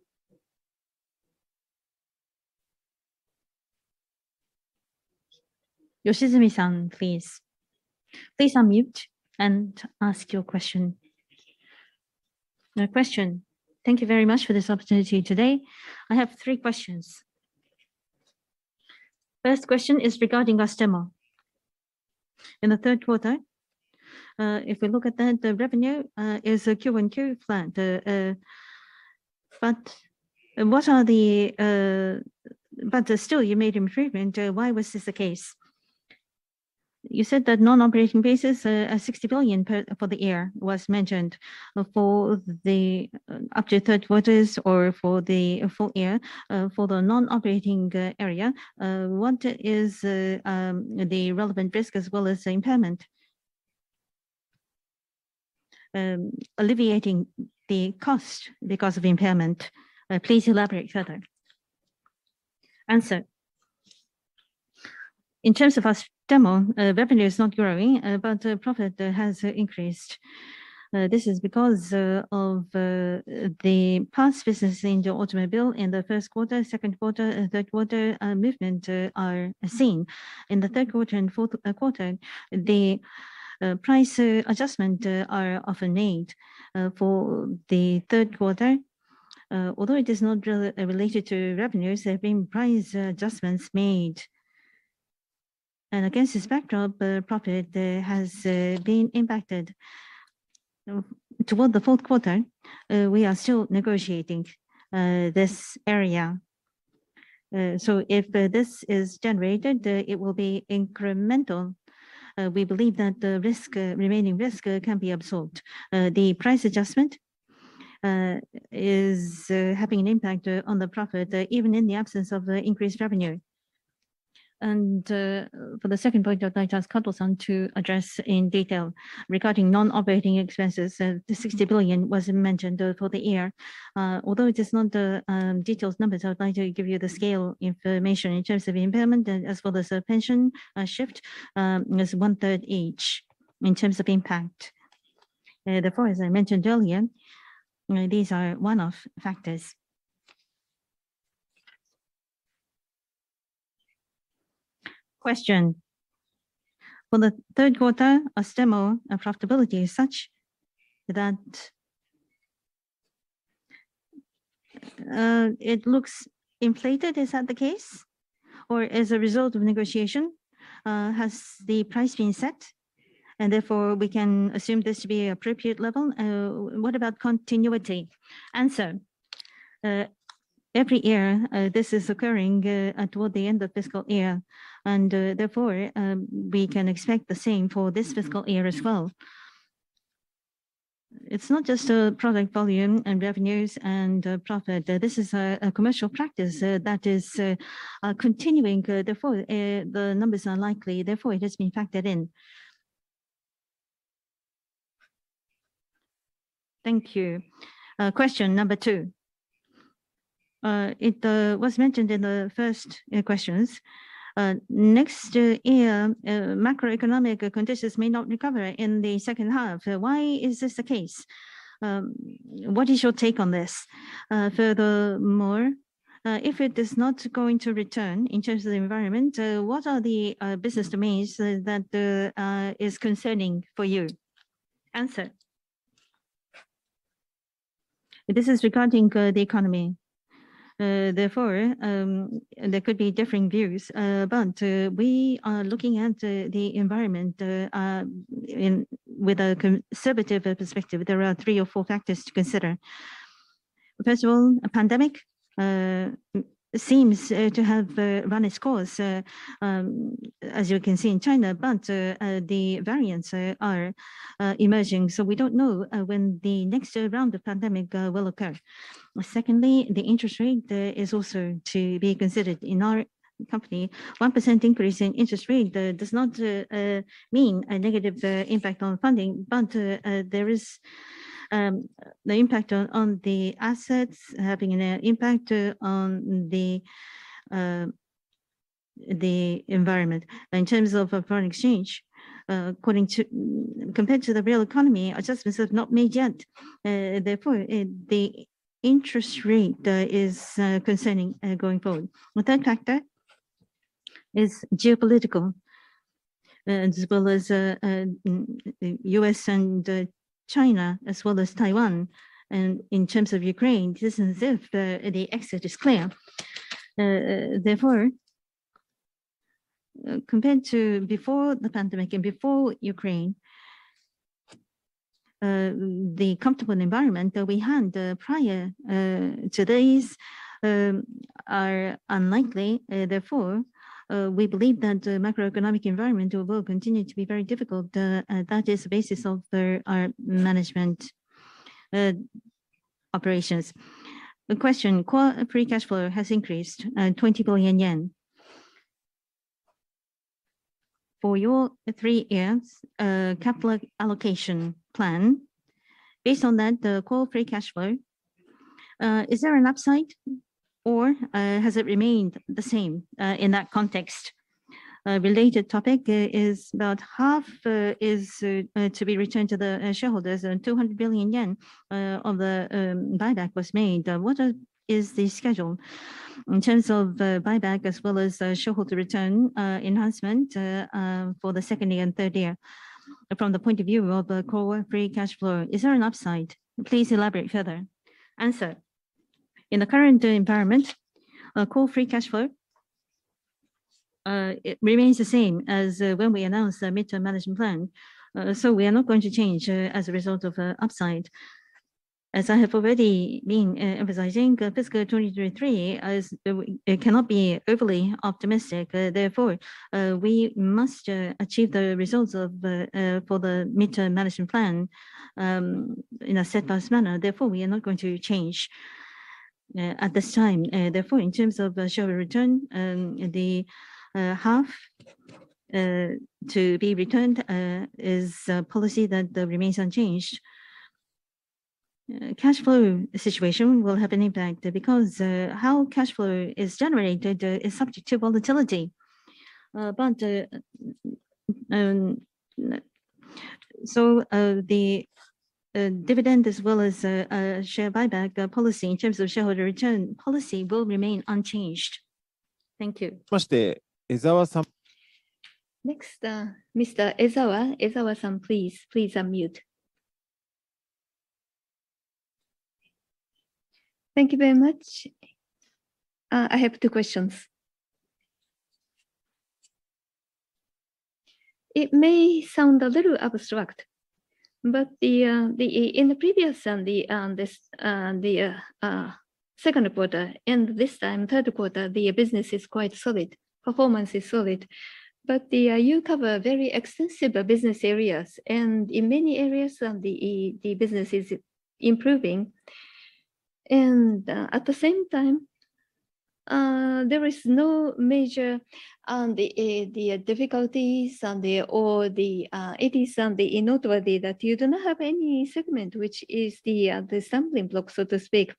Yoshizumi-san, please. Please unmute and ask your question. No question. Thank you very much for this opportunity today. I have three questions. First question is regarding Astemo. In the third quarter, if we look at that, the revenue is a QOQ plant. What are the... Still you made improvement. Why was this the case? You said that non-operating basis, 60 billion per, for the year was mentioned. For the up to third quarters or for the full year, for the non-operating area, what is the relevant risk as well as the impairment? Alleviating the cost because of impairment, please elaborate further. Answer. In terms of Astemo, revenue is not growing, but profit has increased. This is because of the parts business in the automobile in the first quarter, second quarter, and third quarter, movement are seen. In the third quarter and fourth quarter, the price adjustment are often made. For the third quarter, although it is not related to revenues, there have been price adjustments made. Against this backdrop, profit has been impacted. Now, toward the fourth quarter, we are still negotiating this area. If this is generated, it will be incremental. We believe that the risk, remaining risk, can be absorbed. The price adjustment is having an impact on the profit even in the absence of the increased revenue. For the second point, I'd like to ask Kato-san to address in detail regarding non-operating expenses. The 60 billion was mentioned for the year. Although it is not detailed numbers, I would like to give you the scale information in terms of impairment as well as the pension shift. It's one-third each in terms of impact. Therefore, as I mentioned earlier, these are one-off factors. Question. For the third quarter, Astemo profitability is such that it looks inflated. Is that the case? As a result of negotiation, has the price been set, and therefore we can assume this to be appropriate level? What about continuity? Answer. Every year, this is occurring toward the end of fiscal year, therefore, we can expect the same for this fiscal year as well. It's not just product volume and revenues and profit. This is a commercial practice that is continuing. Therefore, the numbers are likely, therefore it has been factored in. Thank you. Question number two. It was mentioned in the first questions. Next year, macroeconomic conditions may not recover in the second half. Why is this the case? What is your take on this? Furthermore, if it is not going to return in terms of the environment, what are the business domains that is concerning for you? Answer. This is regarding the economy. Therefore, there could be differing views. We are looking at the environment with a conservative perspective, there are three or four factors to consider. First of all, a pandemic seems to have run its course as you can see in China, but the variants are emerging, so we don't know when the next round of pandemic will occur. Secondly, the interest rate is also to be considered. In our company, 1% increase in interest rate does not mean a negative impact on funding, but there is the impact on the assets having an impact on the environment. In terms of foreign exchange, compared to the real economy, adjustments have not made yet. Therefore, the interest rate is concerning going forward. The third factor is geopolitical, as well as U.S. and China, as well as Taiwan, and in terms of Ukraine, it isn't as if the exit is clear. Therefore, compared to before the pandemic and before Ukraine, the comfortable environment that we had prior to these are unlikely. Therefore, we believe that the macroeconomic environment will continue to be very difficult. That is the basis of our management operations. The question, core free cash flow has increased 20 billion yen. For your three years capital allocation plan, based on that, the core free cash flow, is there an upside or has it remained the same in that context? Related topic is about half is to be returned to the shareholders and 200 billion yen of the buyback was made. What is the schedule in terms of buyback as well as shareholder return enhancement for the second year and third year? From the point of view of the core free cash flow, is there an upside? Please elaborate further. Answer. In the current environment, core free cash flow, it remains the same as when we announced our midterm management plan. We are not going to change as a result of upside. As I have already been emphasizing, fiscal 23 is it cannot be overly optimistic. We must achieve the results of for the midterm management plan in a set price manner. We are not going to change at this time. In terms of shareholder return, the half to be returned is a policy that remains unchanged. Cash flow situation will have an impact because how cash flow is generated is subject to volatility. The dividend as well as share buyback policy in terms of shareholder return policy will remain unchanged. Thank you. Next, Mr. Ezawa. Ezawa-san, please. Please unmute. Thank you very much. I have two questions. It may sound a little abstract, but in the previous second quarter and this time, third quarter, the business is quite solid. Performance is solid. You cover very extensive business areas, and in many areas, the business is improving. At the same time, there is no major difficulties or it is noteworthy that you do not have any segment which is the stumbling block, so to speak.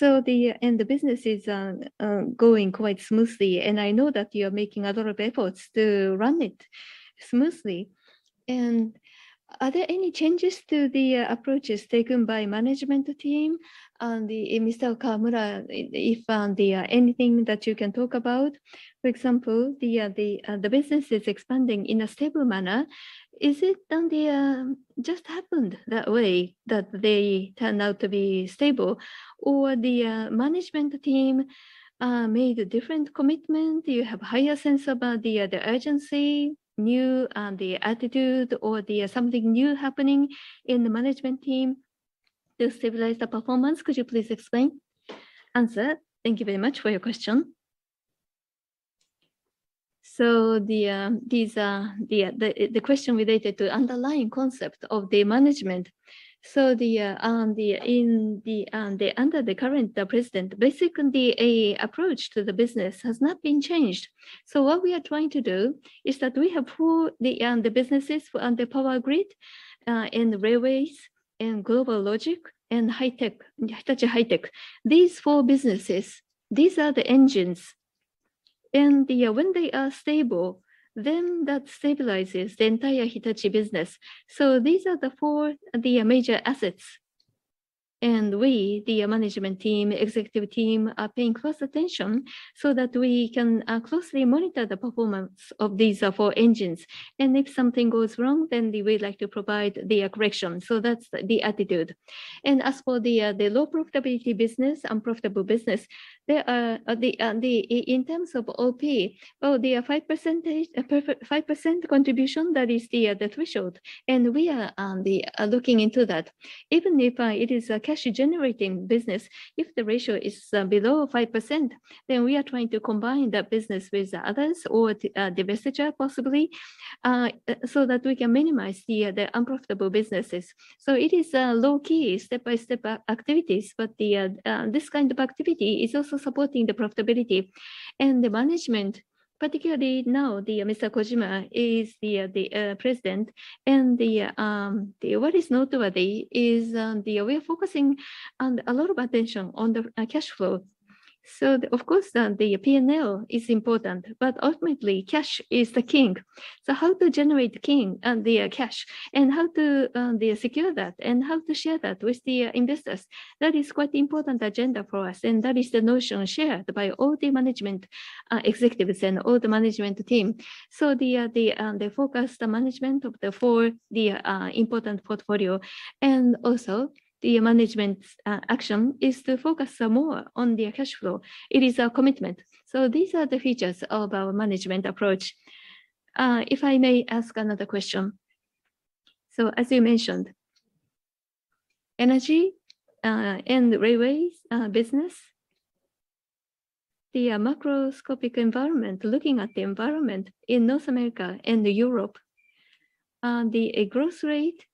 The business is going quite smoothly, and I know that you're making a lot of efforts to run it smoothly. Are there any changes to the approaches taken by management team? The Mr. Kawamura, if there are anything that you can talk about? For example, the business is expanding in a stable manner. Is it just happened that way that they turned out to be stable? The management team made a different commitment? Do you have higher sense about the urgency, new, the attitude or the something new happening in the management team to stabilize the performance? Could you please explain? Answer. Thank you very much for your question. The question related to underlying concept of the management. Under the current president, basically the approach to the business has not been changed. What we are trying to do is that we have four businesses for power grid, and the railways and GlobalLogic and high tech, Hitachi High-Tech. These four businesses, these are the engines. When they are stable, then that stabilizes the entire Hitachi business. These are the four major assets. We, the management team, executive team, are paying close attention so that we can closely monitor the performance of these four engines. If something goes wrong, then we would like to provide the correction. That's the attitude. As for the low profitability business, unprofitable business, there are in terms of OP, well, the 5% contribution, that is the threshold, and we are looking into that. Even if it is a cash-generating business, if the ratio is below 5%, then we are trying to combine that business with others or divestiture possibly, so that we can minimize the unprofitable businesses. It is low-key step-by-step activities, but this kind of activity is also supporting the profitability and the management. Particularly now, the, Mr. Kojima is the president. What is noteworthy is we're focusing a lot of attention on the cash flow. Of course, then, the P&L is important, but ultimately, cash is the king. How to generate king, and the cash and how to secure that and how to share that with the investors, that is quite important agenda for us, and that is the notion shared by all the management executives and all the management team. The focus, the management of the four important portfolio, and also the management's action is to focus more on the cash flow. It is our commitment. These are the features of our management approach. If I may ask another question. As you mentioned, energy and railway business, the macroscopic environment, looking at the environment in North America and Europe, the growth rate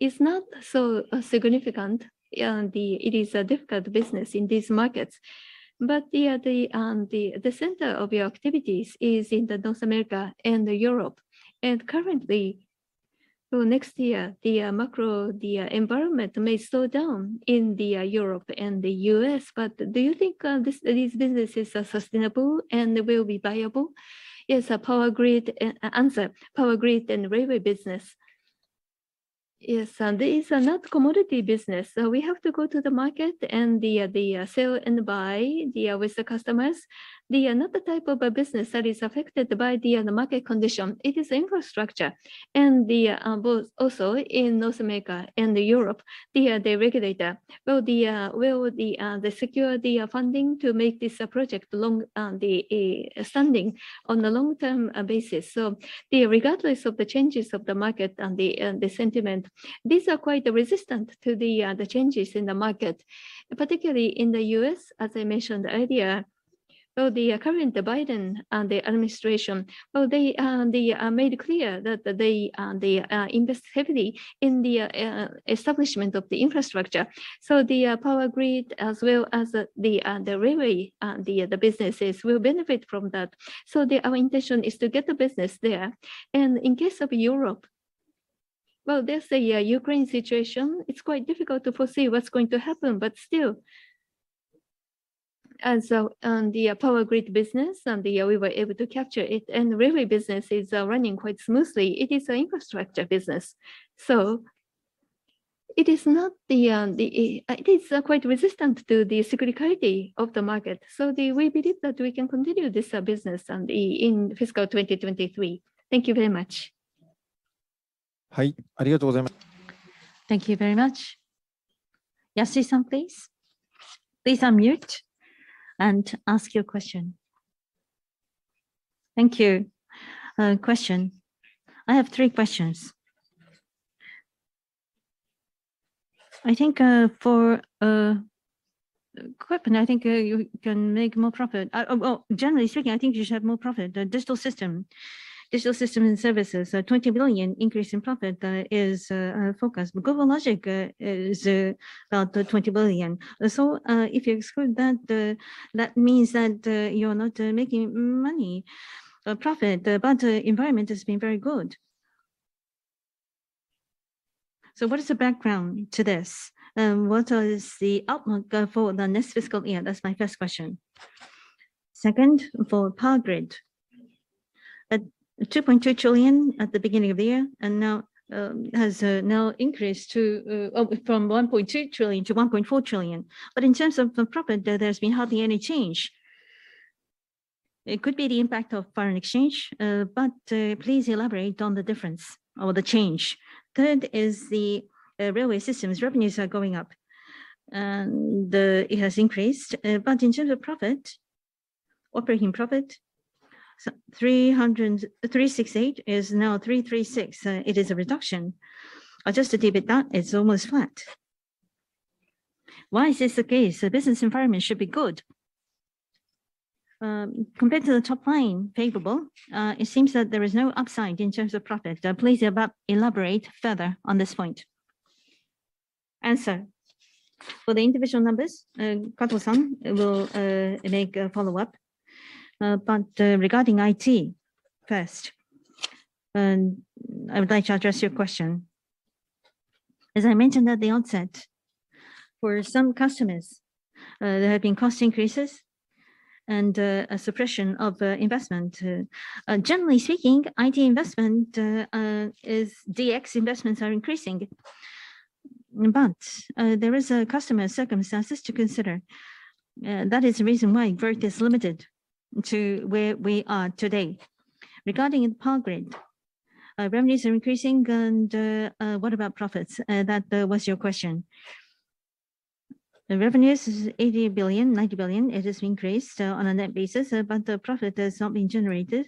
is not so significant. It is a difficult business in these markets. The center of your activities is in North America and Europe. Currently, next year, the macro environment may slow down in Europe and the U.S., but do you think these businesses are sustainable and will be viable? Yes, power grid and railway business is this is not commodity business. We have to go to the market and sell and buy with the customers. The another type of a business that is affected by the market condition, it is infrastructure. Both also in North America and Europe, the regulator will secure the funding to make this a project long standing on the long-term basis. Regardless of the changes of the market and the sentiment, these are quite resistant to the changes in the market. Particularly in the U.S., as I mentioned earlier, well, the current Biden administration, well, they made clear that they invest heavily in the establishment of the infrastructure. Power grid as well as the railway businesses will benefit from that. Our intention is to get the business there. In case of Europe, well, there's a Ukraine situation. It's quite difficult to foresee what's going to happen. Still, as the power grid business and we were able to capture it, and railway business is running quite smoothly. It is an infrastructure business. It is not the it is quite resistant to the security of the market. We believe that we can continue this business in fiscal 2023. Thank you very much. Thank you very much. Yasu-san, please. Please unmute and ask your question. Thank you. Question. I have three questions. I think for equipment, I think you can make more profit. Well, generally speaking, I think you should have more profit. The Digital Systems and Services, 20 billion increase in profit is forecast. GlobalLogic is about 20 billion. If you exclude that means that you're not making money, profit, but environment has been very good. What is the background to this? What is the outlook for the next fiscal year? That's my first question. Second, for power grid. 2.2 trillion at the beginning of the year, now has now increased to... From 1.2 trillion-1.4 trillion. In terms of the profit, there's been hardly any change. It could be the impact of foreign exchange, please elaborate on the difference or the change. Third is the Railway Systems. Revenues are going up, it has increased. In terms of profit, operating profit, 368 is now 336. It is a reduction. Adjusted with that, it's almost flat. Why is this the case? The business environment should be good. Compared to the top line payable, it seems that there is no upside in terms of profit. Please elaborate further on this point. Answer. For the individual numbers, Kato-san will make a follow-up. Regarding IT first, I would like to address your question. As I mentioned at the onset, for some customers, there have been cost increases. A suppression of investment. Generally speaking, IT investment, DX investments are increasing. There is customer circumstances to consider. That is the reason why growth is limited to where we are today. Regarding Power Grid, revenues are increasing and what about profits? That was your question. The revenues is 80 billion, 90 billion. It has increased on a net basis, but the profit has not been generated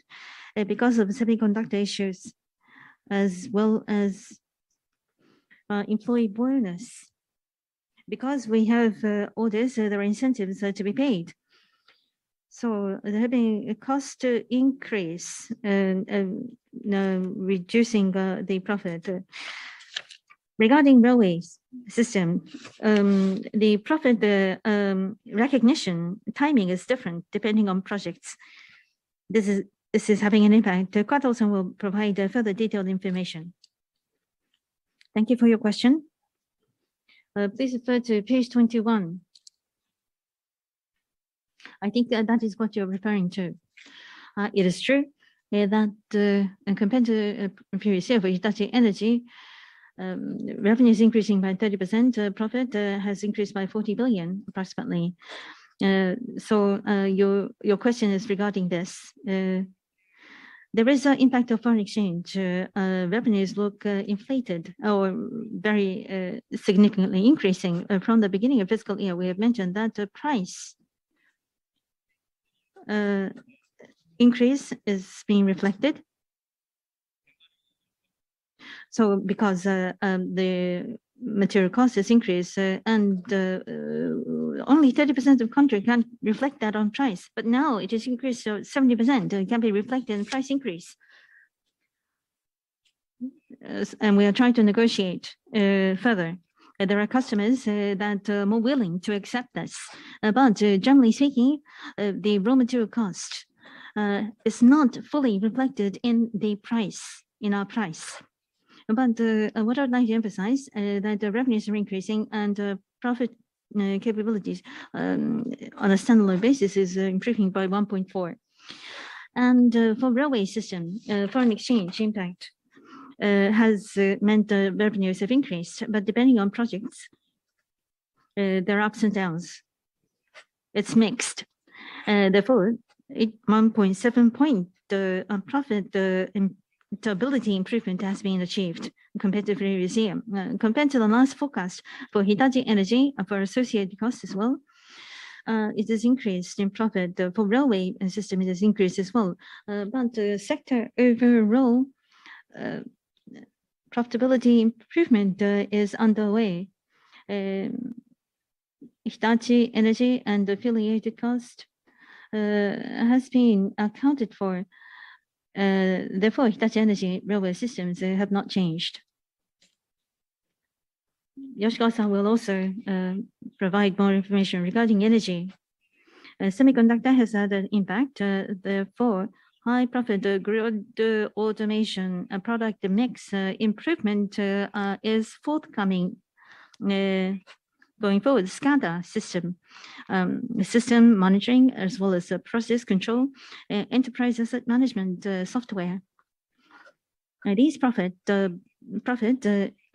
because of semiconductor issues, as well as employee bonus. Because we have all this, there are incentives that are to be paid. There have been a cost increase reducing the profit. Regarding Railway System, the profit, the recognition timing is different depending on projects. This is having an impact. Kato-san will provide further detailed information. Thank you for your question. Please refer to page 21. I think that is what you're referring to. It is true, yeah, that compared to previous year for Hitachi Energy, revenue is increasing by 30%. Profit has increased by 40 billion, approximately. Your question is regarding this. There is an impact of foreign exchange. Revenues look inflated or very significantly increasing. From the beginning of fiscal year, we have mentioned that price increase is being reflected. Because the material costs has increased, and only 30% of contract can reflect that on price. Now it has increased, so 70% can be reflected in price increase. We are trying to negotiate further. There are customers that are more willing to accept this. Generally speaking, the raw material cost is not fully reflected in the price, in our price. What I'd like to emphasize, that the revenues are increasing and profit capabilities on a standalone basis is increasing by 1.4%. For Railway System, foreign exchange impact has meant revenues have increased. Depending on projects, there are ups and downs. It's mixed. Therefore, at 1.7%, the profit ability improvement has been achieved compared to previous year. Compared to the last forecast for Hitachi Energy and for associated costs as well, it has increased in profit. For Railway Systems, it has increased as well. Sector overall profitability improvement is underway. Hitachi Energy and affiliated cost has been accounted for. Hitachi Energy Railway Systems, they have not changed. Yoshikawa-san will also provide more information regarding energy. Semiconductor has had an impact, high profit, the automation product mix improvement is forthcoming going forward. SCADA system monitoring as well as process control, Enterprise Asset Management software. These profit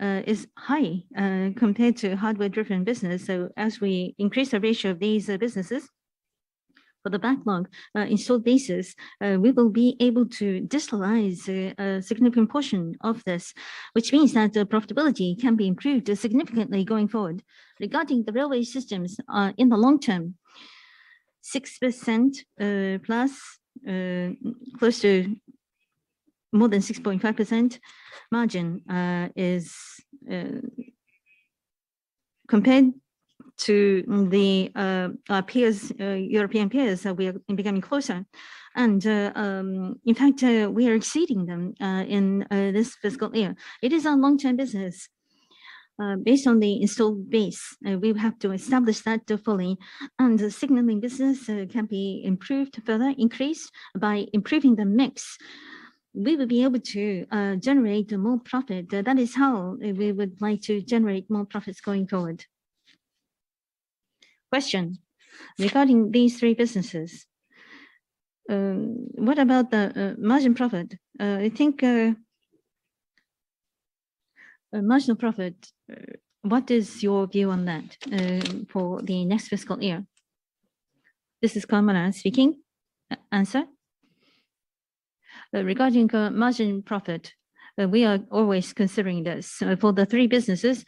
is high compared to hardware-driven business, as we increase the ratio of these businesses for the backlog, installed bases, we will be able to digitalize a significant portion of this, which means that the profitability can be improved significantly going forward. Regarding the Railway Systems, in the long term, 6% plus, close to more than 6.5% margin, is compared to our European peers, we are becoming closer. In fact, we are exceeding them in this fiscal year. It is our long-term business. Based on the installed base, we have to establish that fully. The signaling business can be improved, further increased by improving the mix. We will be able to generate more profit. That is how we would like to generate more profits going forward. Question. Regarding these three businesses, what about the margin profit? I think margin profit, what is your view on that for the next fiscal year? This is Kawamura speaking. Answer. Regarding the margin profit, we are always considering this. For the three businesses,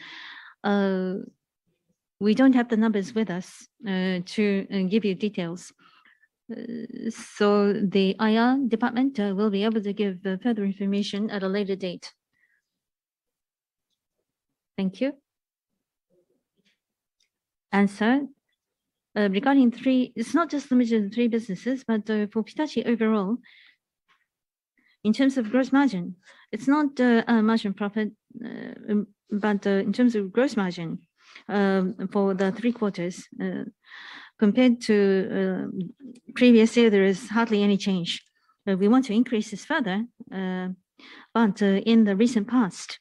we don't have the numbers with us to give you details. The IR department will be able to give further information at a later date. Thank you. Answer. It's not just limited to three businesses, but for Hitachi overall, in terms of gross margin, it's not margin profit, but in terms of gross margin, for the three quarters, compared to previous year, there is hardly any change. We want to increase this further, but in the recent past,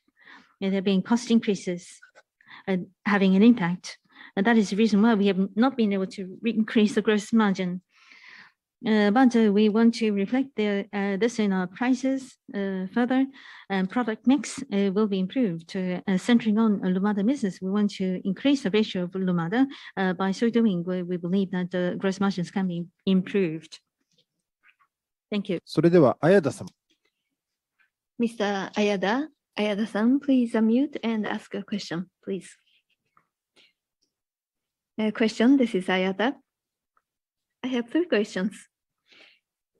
you know, there have been cost increases, having an impact. That is the reason why we have not been able to re-increase the gross margin. We want to reflect this in our prices further, and product mix will be improved. Centering on Lumada business, we want to increase the ratio of Lumada. By so doing, we believe that the gross margins can be improved. Thank you. Mr. Ayada. Ayada-san, please unmute and ask a question, please. Question, this is Ayada. I have three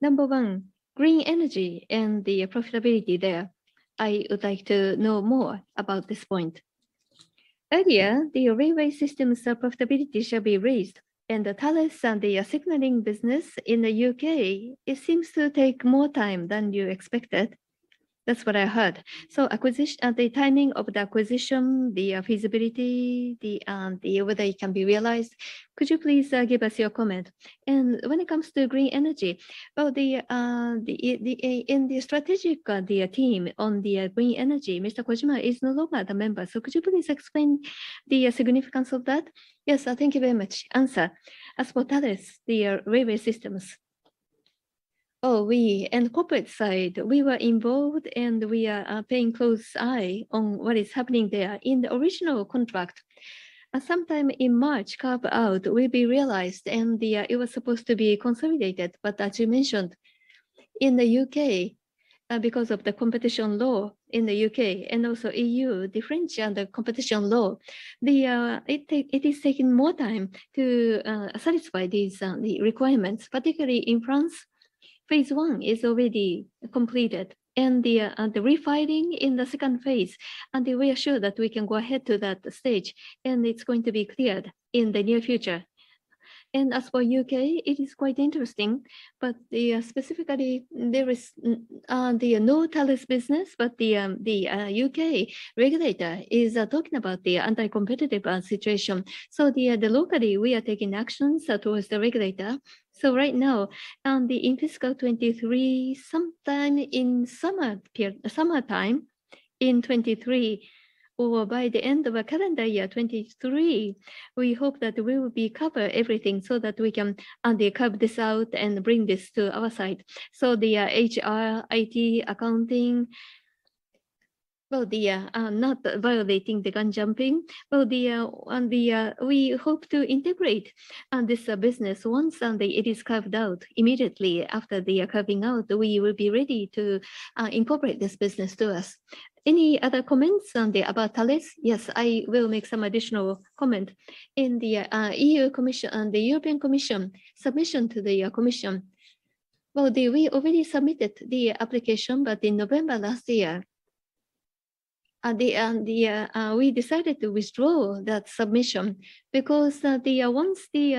questions. Number one, Green Energy and the profitability there. I would like to know more about this point. Earlier, the Railway Systems profitability shall be raised. The Thales and the signaling business in the U.K. it seems to take more time than you expected. That's what I heard. The timing of the acquisition, the feasibility, whether it can be realized, could you please give us your comment? When it comes to green energy, well, in the strategic team on the green energy, Mr. Kojima is no longer a member. Could you please explain the significance of that? Yes. Thank you very much. Answer. As for Thales, the Railway Systems, well, we, in corporate side, we were involved. We are paying close eye on what is happening there. In the original contract, sometime in March, carve-out will be realized, and it was supposed to be consolidated. As you mentioned, in the U.K., because of the competition law in the U.K. and also EU differentiate the competition law, it is taking more time to satisfy these the requirements. Particularly in France, phase one is already completed, and the refiling in the second phase, and we are sure that we can go ahead to that stage, and it's going to be cleared in the near future. As for U.K., it is quite interesting, but specifically there is no Thales business, but the U.K. regulator is talking about the anti-competitive situation. The locally, we are taking actions towards the regulator. Right now, in fiscal 2023, sometime in summer summertime in 2023 or by the end of calendar year 2023, we hope that we will be cover everything so that we can carve this out and bring this to our side. HR, IT, accounting, well, not violating the gun jumping. Well, we hope to integrate this business once it is carved out. Immediately after the carving out, we will be ready to incorporate this business to us. Any other comments on about Thales? Yes, I will make some additional comment. In the EU Commission, the European Commission, submission to the Commission, well, we already submitted the application, but in November last year, we decided to withdraw that submission because once the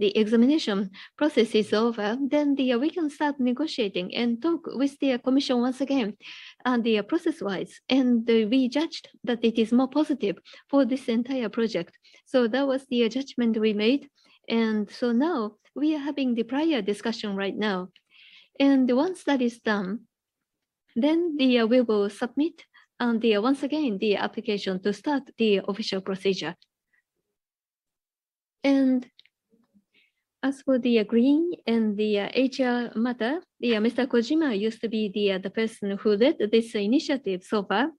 examination process is over, then we can start negotiating and talk with the Commission once again on the process-wise. We judged that it is more positive for this entire project. That was the judgment we made so now we are having the prior discussion right now. Once that is done, then we will submit once again the application to start the official procedure. As for the green and the HR matter, the Mr. Kojima used to be the person who led this initiative so far.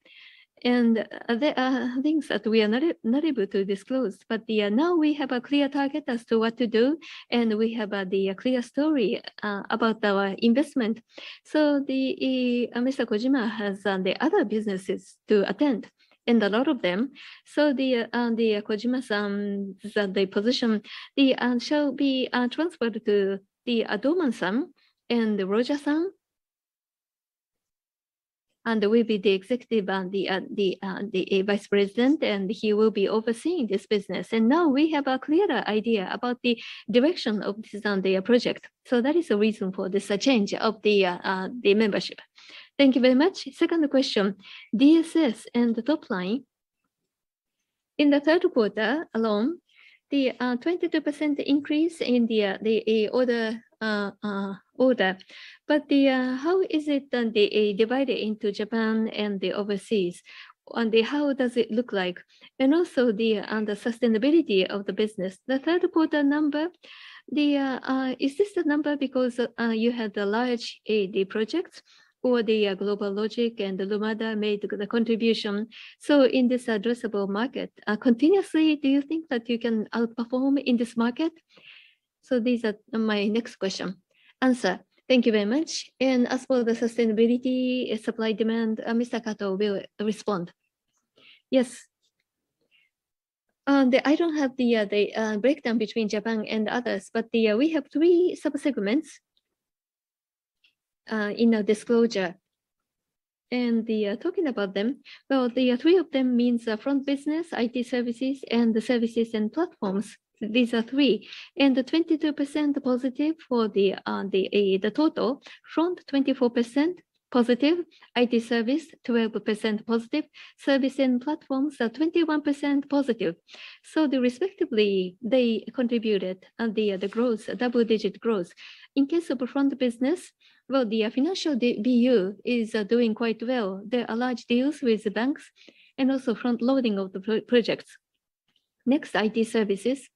There are things that we are not able to disclose, but now we have a clear target as to what to do, and we have the clear story about our investment. Mr. Kojima has the other businesses to attend, and a lot of them. Kojima-san, the position shall be transferred to Domon-san and Roja-san, and will be the executive and the Vice President, and he will be overseeing this business. Now we have a clearer idea about the direction of this project. That is the reason for this change of the membership. Thank you very much. Second question. DSS and the top line, in the third quarter alone, the 22% increase in the order. How is it divided into Japan and the overseas, and how does it look like? Also the sustainability of the business. The third quarter number, is this the number because you had the large AD project or GlobalLogic and Lumada made the contribution? In this addressable market, continuously, do you think that you can outperform in this market? These are my next question. Answer. Thank you very much. As for the sustainability supply-demand, Mr. Kato will respond. Yes. I don't have the breakdown between Japan and others, but we have three sub-segments in our disclosure. Talking about them, well, the three of them means Front Business, IT Services, and Services & Platforms. These are three. The 22% positive for the total. Front, 24% positive. IT Services, 12% positive. Services & Platforms are 21% positive. Respectively, they contributed the growth, double-digit growth. In case of Front Business, well, the financial BU is doing quite well. There are large deals with the banks and also front loading of the projects. Next, IT Services.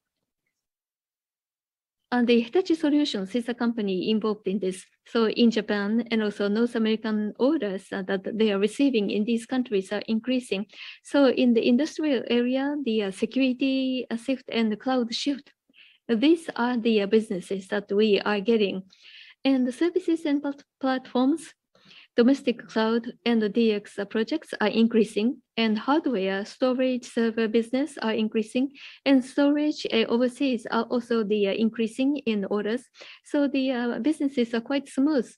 Hitachi Solutions is a company involved in this. In Japan and also North American orders that they are receiving in these countries are increasing. In the industrial area, the security assist and the cloud shift, these are the businesses that we are getting. The services and platforms, domestic cloud and the DX projects are increasing, and hardware storage server business are increasing, and storage overseas are also the increasing in orders. The businesses are quite smooth,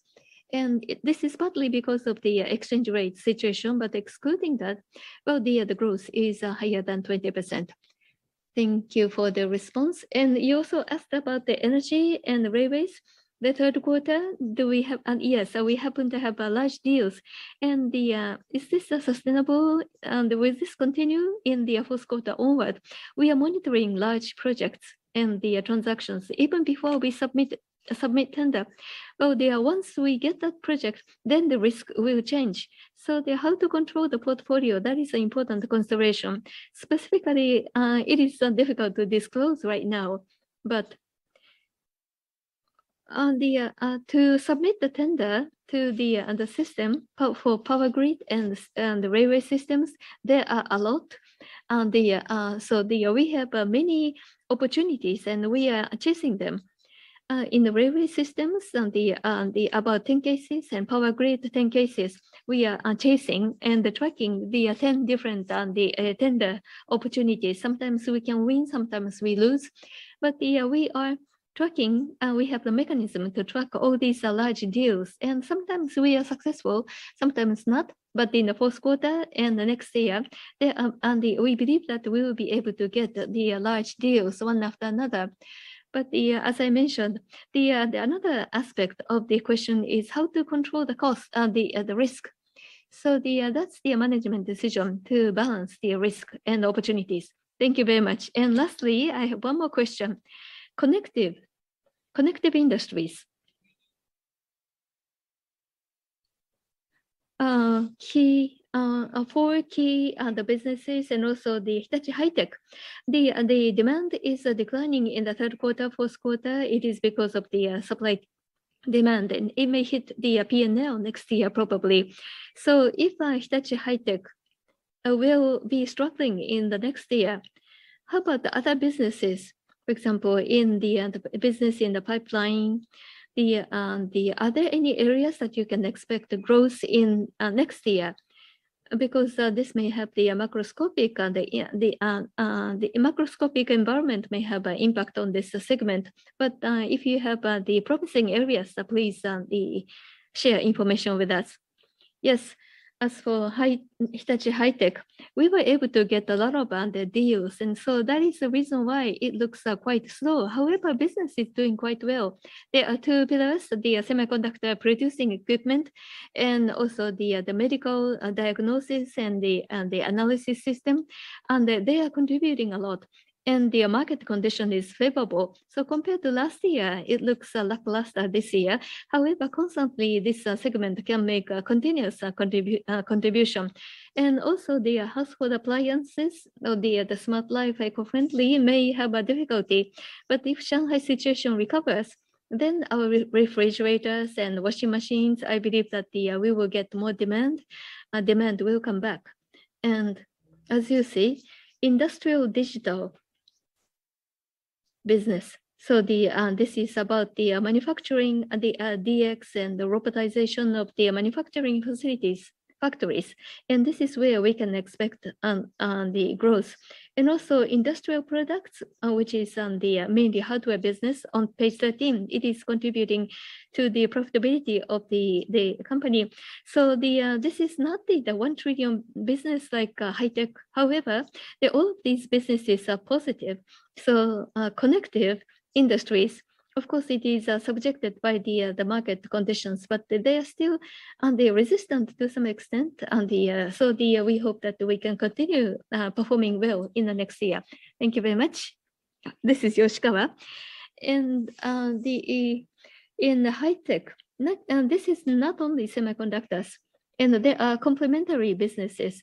and this is partly because of the exchange rate situation. Excluding that, well, the growth is higher than 20%. Thank you for the response. You also asked about the energy and the railways. The third quarter, do we have? Yes, we happen to have large deals. Is this sustainable, and will this continue in the fourth quarter onward? We are monitoring large projects and the transactions even before we submit tender. Once we get that project, then the risk will change. The how to control the portfolio, that is an important consideration. Specifically, it is difficult to disclose right now. To submit the tender to the system for power grid and Railway Systems, there are a lot. So, we have many opportunities, and we are chasing them. In the Railway Systems, and about 10 cases and power grid, 10 cases, we are chasing and tracking the 10 different tender opportunities. Sometimes we can win, sometimes we lose. We are tracking, and we have the mechanism to track all these large deals. Sometimes we are successful, sometimes not. In the fourth quarter and next year, we believe that we will be able to get the large deals one after another. As I mentioned, the another aspect of the question is how to control the cost and the risk. That's the management decision to balance the risk and opportunities. Thank you very much. Lastly, I have one more question. Connective Industries, key four key businesses, and also Hitachi High-Tech. The demand is declining in the third quarter, fourth quarter. It is because of the supply demand, and it may hit the P&L next year probably. If Hitachi High-Tech will be struggling in the next year, how about the other businesses? For example, in the business in the pipeline, are there any areas that you can expect growth in next year? This may have the microscopic, the microscopic environment may have an impact on this segment. If you have the promising areas, please share information with us. Yes. As for Hitachi High-Tech, we were able to get a lot of the deals, and so that is the reason why it looks quite slow. However, business is doing quite well. There are two pillars, the semiconductor producing equipment and also the medical diagnosis and the analysis system, and they are contributing a lot. The market condition is favorable. Compared to last year, it looks lackluster this year. However, constantly this segment can make a continuous contribution. Also the household appliances, the Smart Life, Ecofriendly may have a difficulty. If Shanghai situation recovers, then our refrigerators and washing machines, I believe that we will get more demand. Demand will come back. As you see, industrial digital business. This is about the manufacturing, DX and the robotization of the manufacturing facilities, factories. This is where we can expect the growth. Also industrial products, which is mainly hardware business on page 13. It is contributing to the profitability of the company. This is not the 1 trillion business like High-Tech. However, all of these businesses are positive. Connective Industries, of course, it is subjected by the market conditions, but they are still resistant to some extent. We hope that we can continue performing well in the next year. Thank you very much. This is Yoshikawa. In High-Tech, this is not only semiconductors, and there are complementary businesses.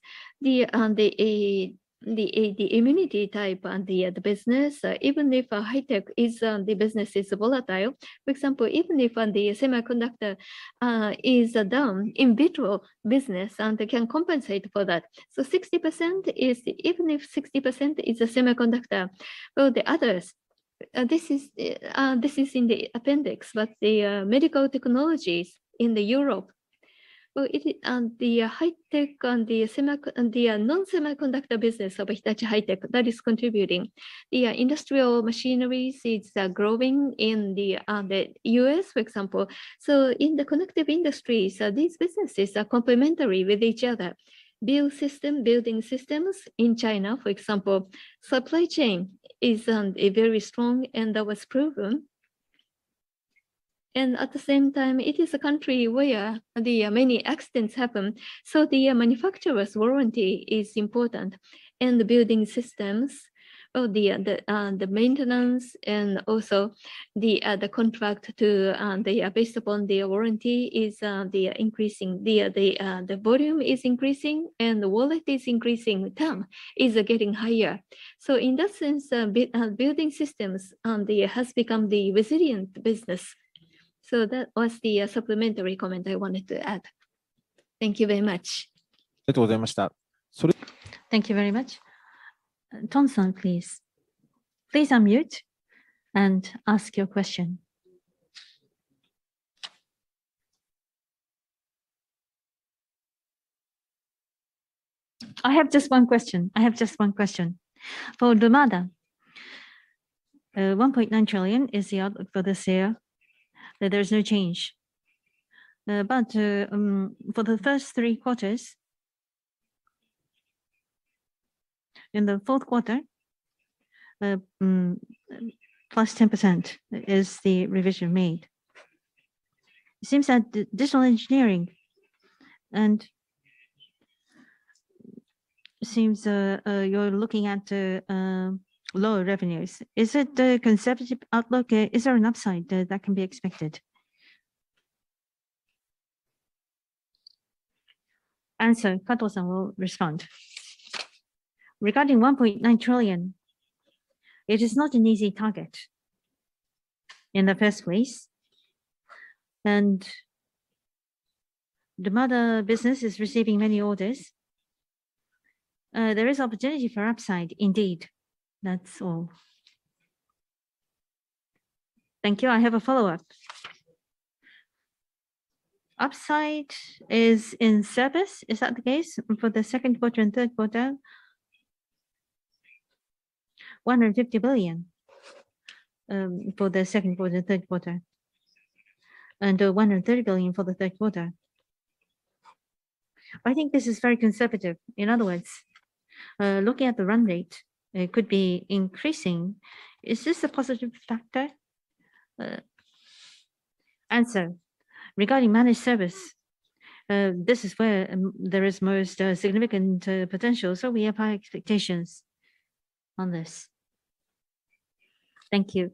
The immunity type and the business, even if the business is volatile. For example, even if the semiconductor is down, in vitro business, they can compensate for that. 60% is, even if 60% is a semiconductor. Well, the others, this is in the appendix. The medical technologies in Europe, well, High-Tech and the semi, and the non-semiconductor business of Hitachi High-Tech, that is contributing. Industrial machinery seeds are growing in the U.S., for example. In the Connective Industries, these businesses are complementary with each other. Building Systems in China, for example. Supply chain is a very strong and that was proven. At the same time, it is a country where many accidents happen, so manufacturer's warranty is important. Building Systems or the maintenance and also the contract to, based upon the warranty is increasing. The volume is increasing, and the wallet is increasing. Term is getting higher. In that sense, Building Systems has become the resilient business. That was the supplementary comment I wanted to add. Thank you very much. Thank you very much. Tom-san, please. Please unmute and ask your question. I have just one question. For Lumada, 1.9 trillion is the outlook for this year, that there is no change. For the first three quarters, in the fourth quarter, +10% is the revision made. It seems that Digital Engineering and seems, you're looking at lower revenues. Is it the conservative outlook? Is there an upside that can be expected? Answer, Kato-san will respond. Regarding 1.9 trillion, it is not an easy target in the first place, and Lumada business is receiving many orders. There is opportunity for upside indeed. That's all. Thank you. I have a follow-up. Upside is in service. Is that the case for the second quarter and third quarter? 150 billion for the second quarter, third quarter, and 130 billion for the third quarter. I think this is very conservative. In other words, looking at the run rate, it could be increasing. Is this a positive factor? Answer. Regarding managed service, this is where there is most significant potential, so we have high expectations on this. Thank you.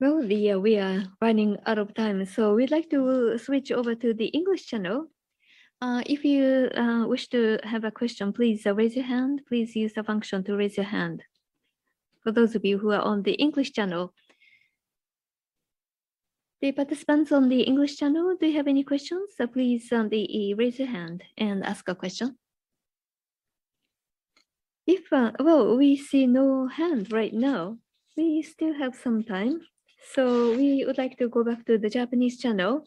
Well, we are running out of time, we'd like to switch over to the English channel. If you wish to have a question, please raise your hand. Please use the function to raise your hand. For those of you who are on the English channel. The participants on the English channel, do you have any questions? Please raise your hand and ask a question. Well, we see no hands right now. We still have some time, we would like to go back to the Japanese channel.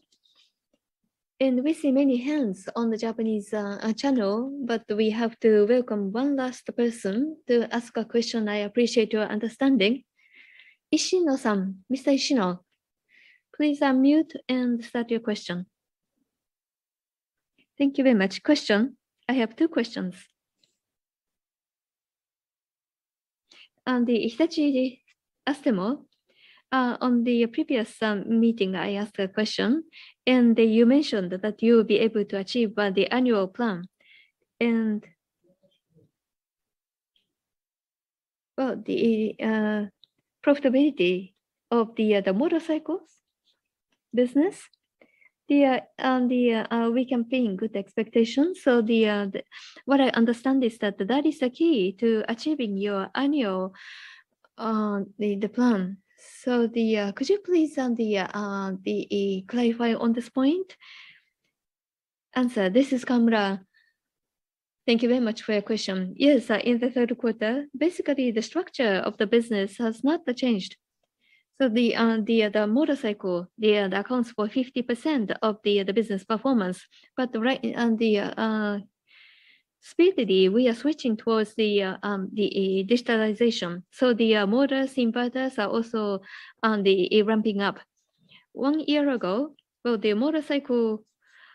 We see many hands on the Japanese channel, we have to welcome one last person to ask a question. I appreciate your understanding. Ishino-san, Mr. Ishino, please unmute and start your question. Thank you very much. Question. I have two questions. On the Astemo, Ltd., on the previous meeting, I asked a question. You mentioned that you will be able to achieve the annual plan. Well, the profitability of the motorcycles business, we can pin good expectations. What I understand is that that is the key to achieving your annual plan. Could you please clarify on this point? Answer. This is Kawamura. Thank you very much for your question. Yes, in the third quarter, basically the structure of the business has not changed. The motorcycle accounts for 50% of the business performance. Right, speedily, we are switching towards digitalization. The motors, inverters are also ramping up. One year ago, the motorcycle,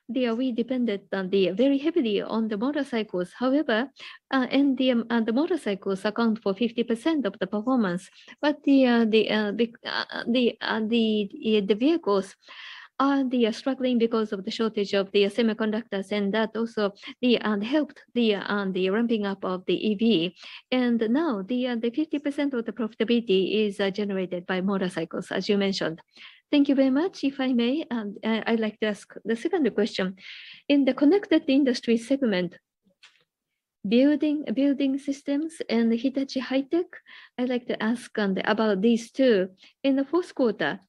we depended very heavily on the motorcycles. The motorcycles account for 50% of the performance. The vehicles are struggling because of the shortage of the semiconductors, and that also helped the ramping up of the EV. Now 50% of the profitability is generated by motorcycles, as you mentioned. Thank you very much. If I may, I'd like to ask the second question. In the Connective Industries segment, Building Systems and Hitachi High-Tech, I'd like to ask about these two. In the fourth quarter,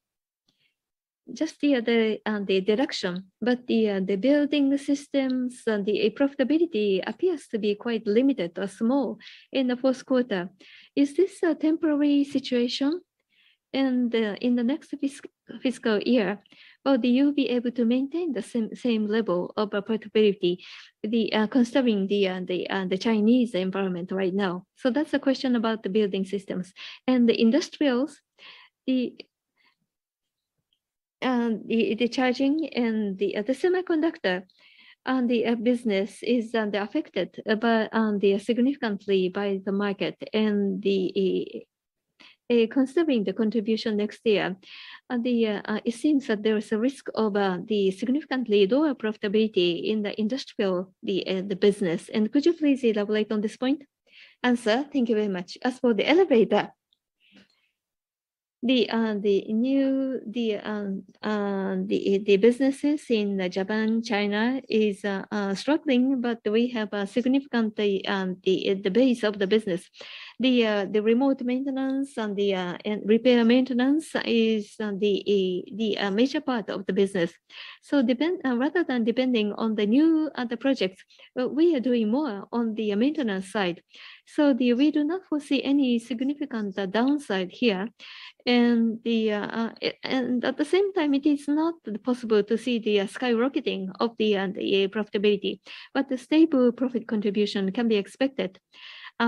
just the deduction, but the Building Systems and the profitability appears to be quite limited or small in the fourth quarter. Is this a temporary situation? In the next fiscal year, will you be able to maintain the same level of profitability, considering the Chinese environment right now? That's the question about the Building Systems. The industrials, the charging and the semiconductor, and the business is affected by significantly by the market. The considering the contribution next year, it seems that there is a risk of the significantly lower profitability in the industrial business. Could you please elaborate on this point? Answer. Thank you very much. As for the elevator. The new businesses in Japan, China is struggling, but we have a significant base of the business. The remote maintenance and re-repair and maintenance is the major part of the business. Rather than depending on the new other projects, but we are doing more on the maintenance side. We do not foresee any significant downside here. At the same time, it is not possible to see the skyrocketing of the profitability, but the stable profit contribution can be expected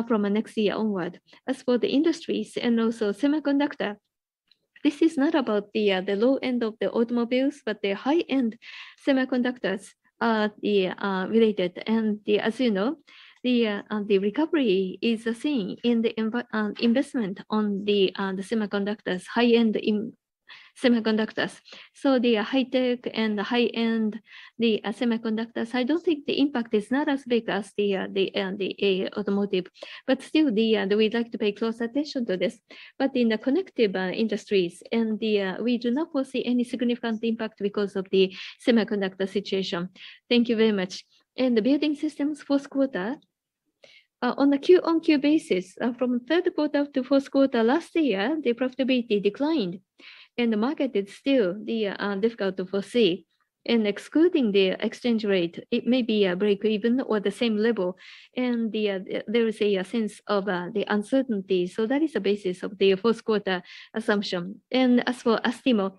from next year onward. As for the industries and also semiconductor, this is not about the low end of the automobiles, but the high-end semiconductors are related. As you know, the recovery is seen in the investment on the semiconductors, high-end semiconductors. The high-tech and the high-end, the semiconductors, I don't think the impact is not as big as the automotive. Still, we'd like to pay close attention to this. In the Connective Industries, we do not foresee any significant impact because of the semiconductor situation. Thank you very much. In the Building Systems fourth quarter, on a Q-on-Q basis, from third quarter to fourth quarter last year, the profitability declined, and the market is still difficult to foresee. Excluding the exchange rate, it may be a breakeven or the same level. There is a sense of uncertainty. That is the basis of the fourth quarter assumption. As for Astemo,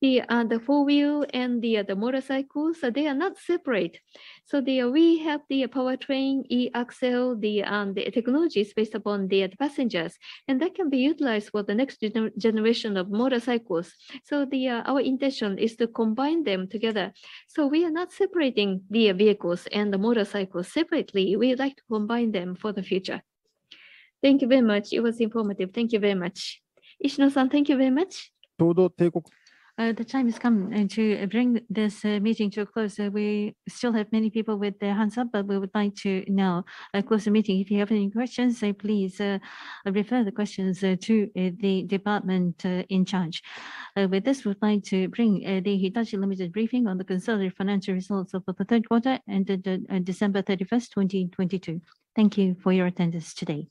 the four-wheel and the motorcycles, they are not separate. We have the powertrain, eAxle, the technologies based upon the passengers, and that can be utilized for the next generation of motorcycles. Our intention is to combine them together. We are not separating the vehicles and the motorcycles separately. We would like to combine them for the future. Thank you very much. It was informative. Thank you very much. Ishino-san, thank you very much. The time has come to bring this meeting to a close. We still have many people with their hands up, but we would like to now close the meeting. If you have any questions, please refer the questions to the department in charge. With this, we'd like to bring the Hitachi, Ltd. briefing on the consolidated financial results of the third quarter ended December 31st, 2022. Thank you for your attendance today.